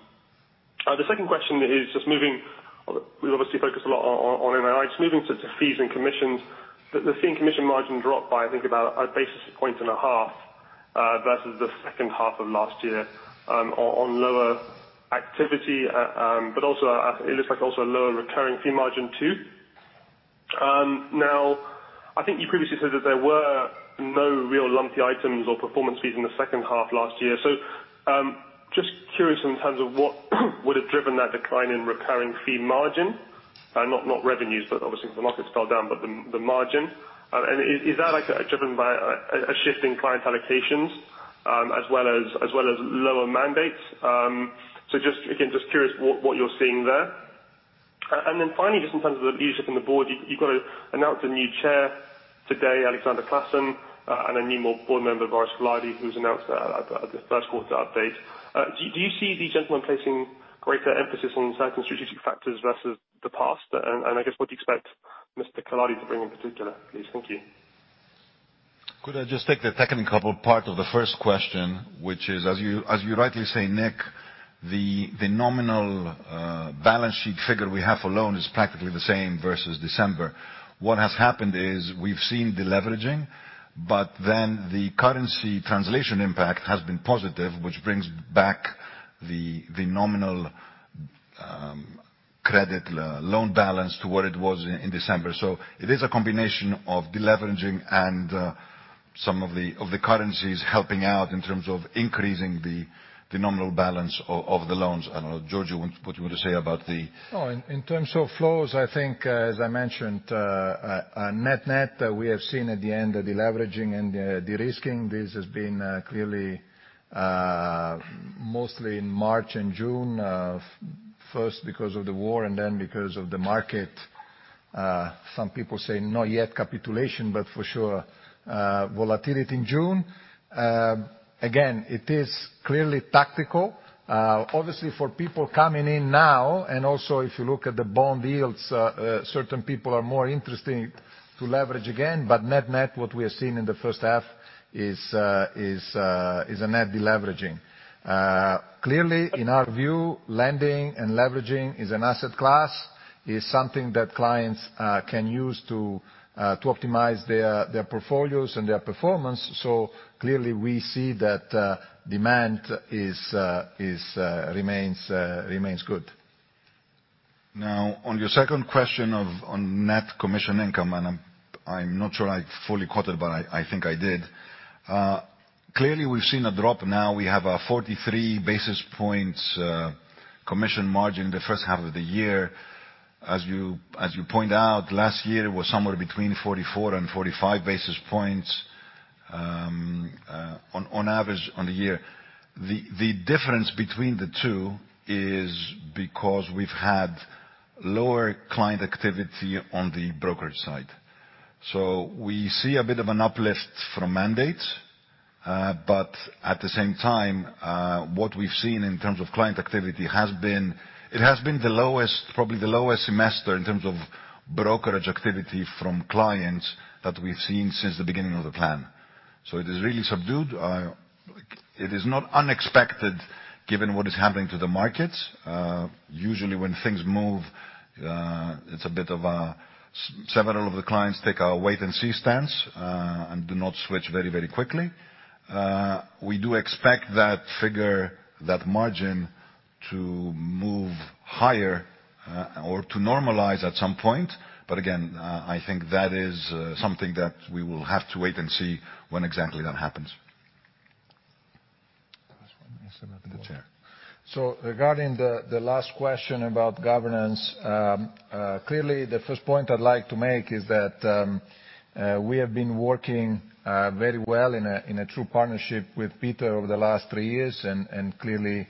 The second question is just moving. We obviously focus a lot on NII, moving to fees and commissions. The fee and commission margin dropped by, I think, about 1.5 basis points versus the second half of last year, on lower activity, but also, it looks like also a lower recurring fee margin too. Now I think you previously said that there were no real lumpy items or performance fees in the second half last year. Just curious in terms of what would have driven that decline in recurring fee margin, not revenues, but obviously the markets fell down, but the margin. And is that, like, driven by a shift in client allocations, as well as lower mandates? Just, again, just curious what you're seeing there. Then finally, just in terms of the leadership in the board, you've got to announce a new chair today, Alexander Classen, and a new board member, Boris Collardi, who's announced at the first quarter update. Do you see these gentlemen placing greater emphasis on certain strategic factors versus the past? And I guess, what do you expect Mr. Collardi to bring in particular, please? Thank you. Could I just take the second part of the first question, which is, as you rightly say, Nick, the nominal balance sheet figure we have for loan is practically the same versus December. What has happened is we've seen deleveraging, but then the currency translation impact has been positive, which brings back the nominal credit loan balance to what it was in December. So it is a combination of deleveraging and some of the currencies helping out in terms of increasing the nominal balance of the loans. I don't know, Giorgio, what you want to say about the. No. In terms of flows, I think, as I mentioned, net-net, we have seen at the end a deleveraging and a de-risking. This has been clearly mostly in March and June, first because of the war and then because of the market. Some people say not yet capitulation, but for sure volatility in June. Again, it is clearly tactical, obviously for people coming in now, and also if you look at the bond yields, certain people are more interesting to leverage again. Net-net, what we are seeing in the first half is a net deleveraging. Clearly, in our view, lending and leveraging is an asset class, is something that clients can use to optimize their portfolios and their performance. Clearly, we see that demand remains good. Now, on your second question of, on net commission income, and I'm not sure I fully caught it, but I think I did. Clearly, we've seen a drop now. We have a 43 basis points commission margin in the first half of the year. As you point out, last year was somewhere between 44 and 45 basis points, on average on the year. The difference between the two is because we've had lower client activity on the brokerage side. So we see a bit of an uplift from mandates, but at the same time, what we've seen in terms of client activity has been the lowest, probably the lowest semester in terms of brokerage activity from clients that we've seen since the beginning of the plan. It is really subdued. It is not unexpected given what is happening to the markets. Usually when things move, several of the clients take a wait and see stance and do not switch very quickly. We do expect that figure, that margin to move higher, or to normalize at some point. But again, I think that is something that we will have to wait and see when exactly that happens. Regarding the last question about governance, clearly the first point I'd like to make is that we have been working very well in a true partnership with Peter over the last three years. Clearly,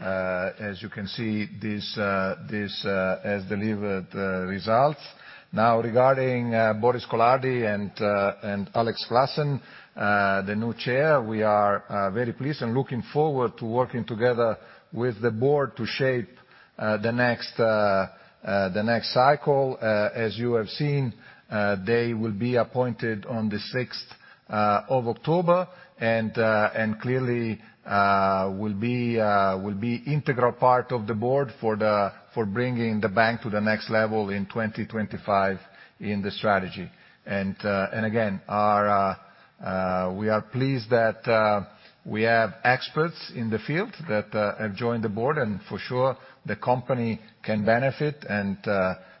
as you can see, this has delivered results. Now, regarding Boris Collardi and Alexander Classen, the new chair, we are very pleased and looking forward to working together with the board to shape the next cycle. As you have seen, they will be appointed on the 6th of October and clearly will be integral part of the board for bringing the bank to the next level in 2025 in the strategy. And again, we are pleased that we have experts in the field that have joined the board. For sure, the company can benefit and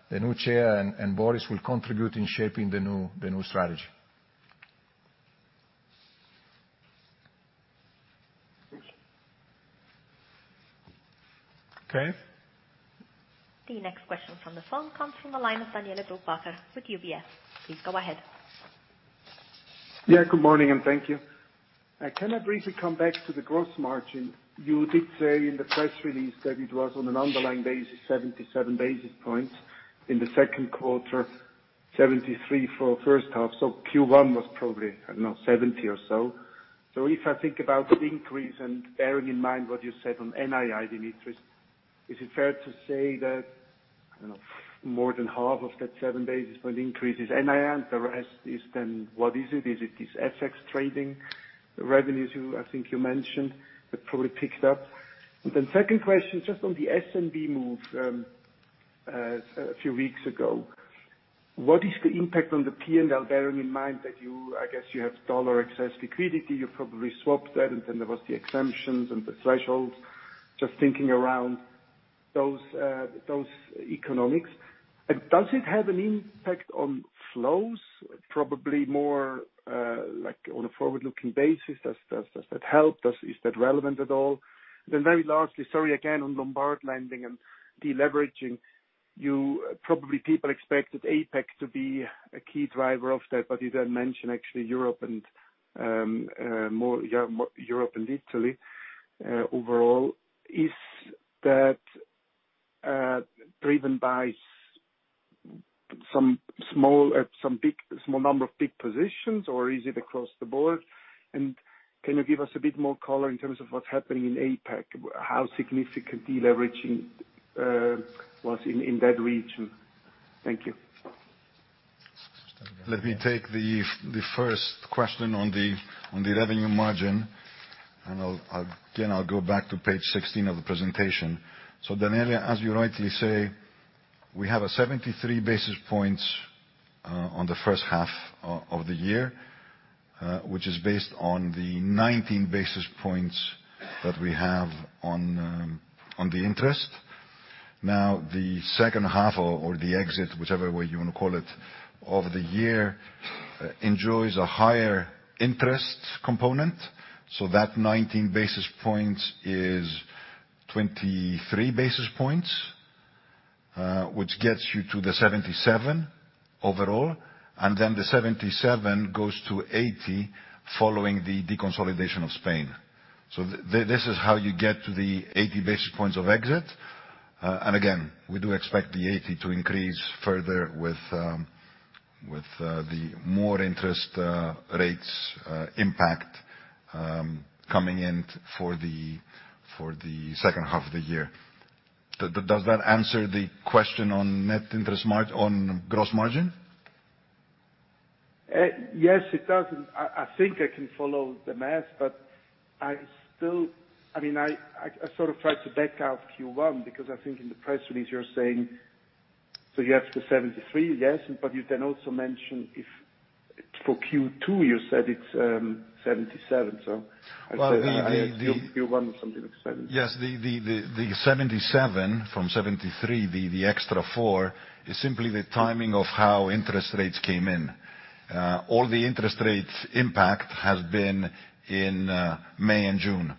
the new chair and Boris will contribute in shaping the new strategy. Okay. The next question from the phone comes from the line of Daniela Döbeli with UBS. Please go ahead. Yeah, good morning, and thank you. Can I briefly come back to the gross margin? You did say in the press release that it was on an underlying basis, 77 basis points. In the second quarter, 73 for first half. So Q1 was probably, I don't know, 70 or so. So if I think about the increase and bearing in mind what you said on NII interest, is it fair to say that, I don't know, more than half of that 7 basis point increase is NII? And the rest is then what is it? Is it FX trading revenues? I think you mentioned that probably picked up. Second question, just on the SNB move, a few weeks ago. What is the impact on the P&L, bearing in mind that you. I guess you have dollar excess liquidity, you probably swapped that, and then there was the exemptions and the thresholds. Just thinking around those economics. Does it have an impact on flows? Probably more, like on a forward-looking basis. Does that help? Is that relevant at all? Very lastly, sorry, again, on Lombard lending and deleveraging. Probably people expected APAC to be a key driver of that, but you then mention actually Europe and, more, yeah, more Europe and Italy, overall. Is that driven by some small number of big positions or is it across the board? And can you give us a bit more color in terms of what's happening in APAC, how significant deleveraging was in that region? Thank you. Let me take the first question on the revenue margin, and I'll again go back to page 16 of the presentation. Daniela, as you rightly say, we have 73 basis points on the first half of the year, which is based on the 19 basis points that we have on the interest. Now, the second half or the exit, whichever way you wanna call it, of the year enjoys a higher interest component. That 19 basis points is 23 basis points, which gets you to the 77 overall, and then the 77 goes to 80 following the deconsolidation of Spain. So this is how you get to the 80 basis points of exit. Again, we do expect the 80 to increase further with the more interest rates impact coming in for the second half of the year. Does that answer the question on net interest margin? Yes, it does. I think I can follow the math, but I still, I mean, I sort of tried to back out Q1 because I think in the press release you're saying, so you have the 73, yes, but you then also mention if for Q2 you said it's, 77, so- Well, the Q1 something like 77. Yes. The 77 from 73, the extra four, is simply the timing of how interest rates came in. All the interest rates impact has been in May and June.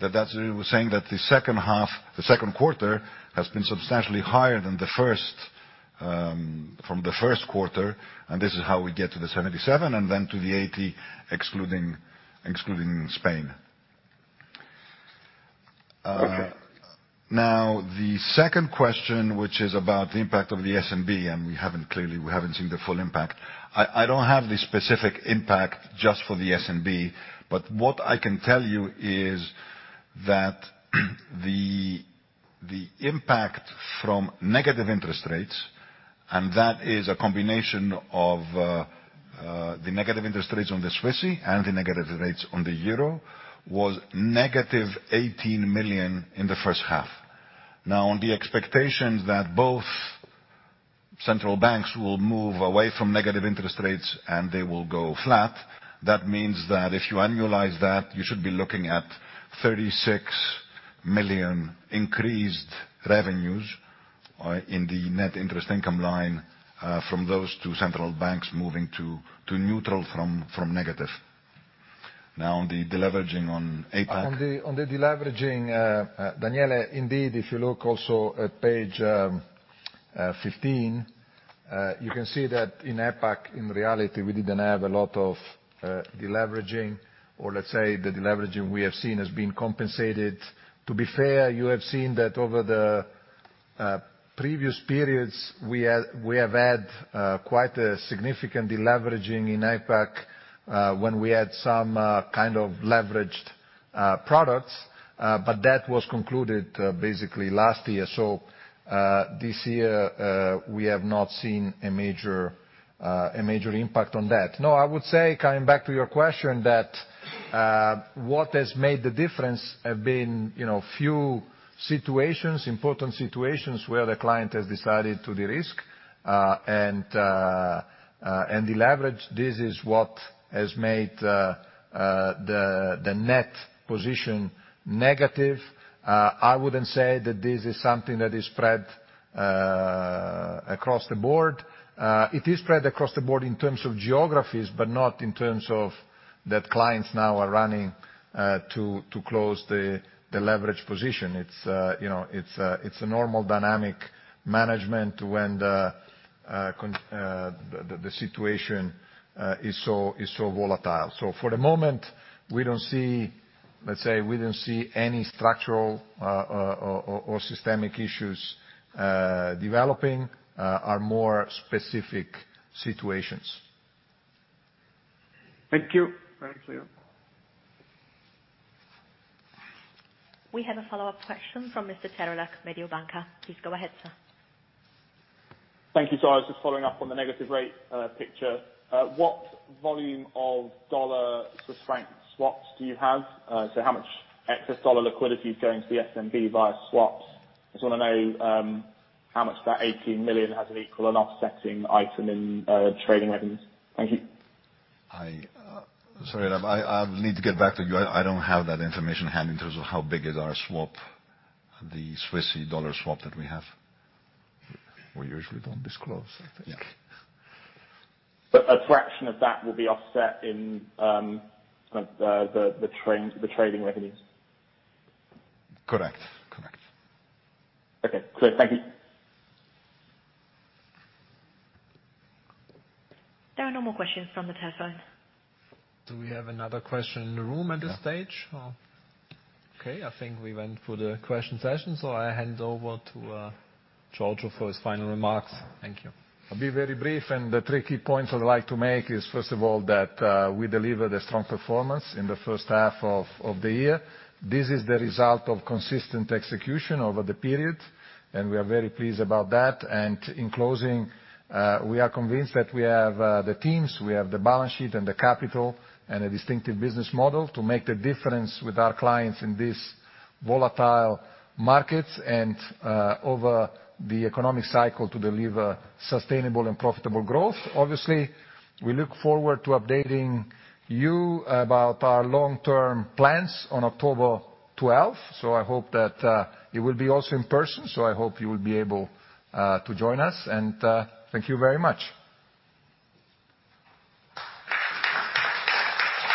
That's why we're saying that the second half, the second quarter, has been substantially higher than the first from the first quarter, and this is how we get to the 77 and then to the 80, excluding Spain. Okay. Now the second question, which is about the impact of the SNB, and we haven't clearly seen the full impact. I don't have the specific impact just for the SNB, but what I can tell you is that the impact from negative interest rates, and that is a combination of the negative interest rates on the Swissie and the negative rates on the euro, was -18 million in the first half. Now, on the expectations that both Central banks will move away from negative interest rates, and they will go flat. That means that if you annualize that, you should be looking at 36 million increased revenues in the net interest income line from those two central banks moving to neutral from negative. Now, on the deleveraging, Daniela, indeed, if you look also at page 15, you can see that in APAC, in reality, we didn't have a lot of deleveraging, or let's say the deleveraging we have seen has been compensated. To be fair, you have seen that over the previous periods, we have had quite a significant deleveraging in APAC when we had some kind of leveraged products, but that was concluded basically last year. So this year, we have not seen a major impact on that. No, I would say, coming back to your question, that what has made the difference have been, you know, few situations, important situations where the client has decided to de-risk and deleverage. This is what has made the net position negative. I wouldn't say that this is something that is spread across the board. It is spread across the board in terms of geographies, but not in terms of that clients now are running to close the leverage position. It's, you know, it's a normal dynamic management when the situation is so volatile. For the moment, we don't see, let's say, we don't see any structural or systemic issues developing, or more specific situations. Thank you. Very clear. We have a follow-up question from Mr. Terelak, Mediobanca. Please go ahead, sir. Thank you, sir. Just following up on the negative rate picture. What volume of dollar to franc swaps do you have? So how much excess dollar liquidity is going to the SNB via swaps? I just wanna know how much of that 18 million has an equal and offsetting item in trading revenues. Thank you. Sorry, I'll need to get back to you. I don't have that information at hand in terms of how big is our swap, the Swissy dollar swap that we have. We usually don't disclose, I think. Yeah. A fraction of that will be offset in, kind of, the trading revenues. Correct. Okay. Clear. Thank you. There are no more questions from the telephone. Do we have another question in the room at this stage? No. Okay, I think we went through the question session, so I hand over to Giorgio for his final remarks. Thank you. I'll be very brief, and the three key points I'd like to make is, first of all, that we delivered a strong performance in the first half of the year. This is the result of consistent execution over the period, and we are very pleased about that. In closing, we are convinced that we have the teams, we have the balance sheet and the capital, and a distinctive business model to make the difference with our clients in this volatile market and over the economic cycle to deliver sustainable and profitable growth. Obviously, we look forward to updating you about our long-term plans on October 12th. I hope that it will be also in person, so I hope you will be able to join us. Thank you very much.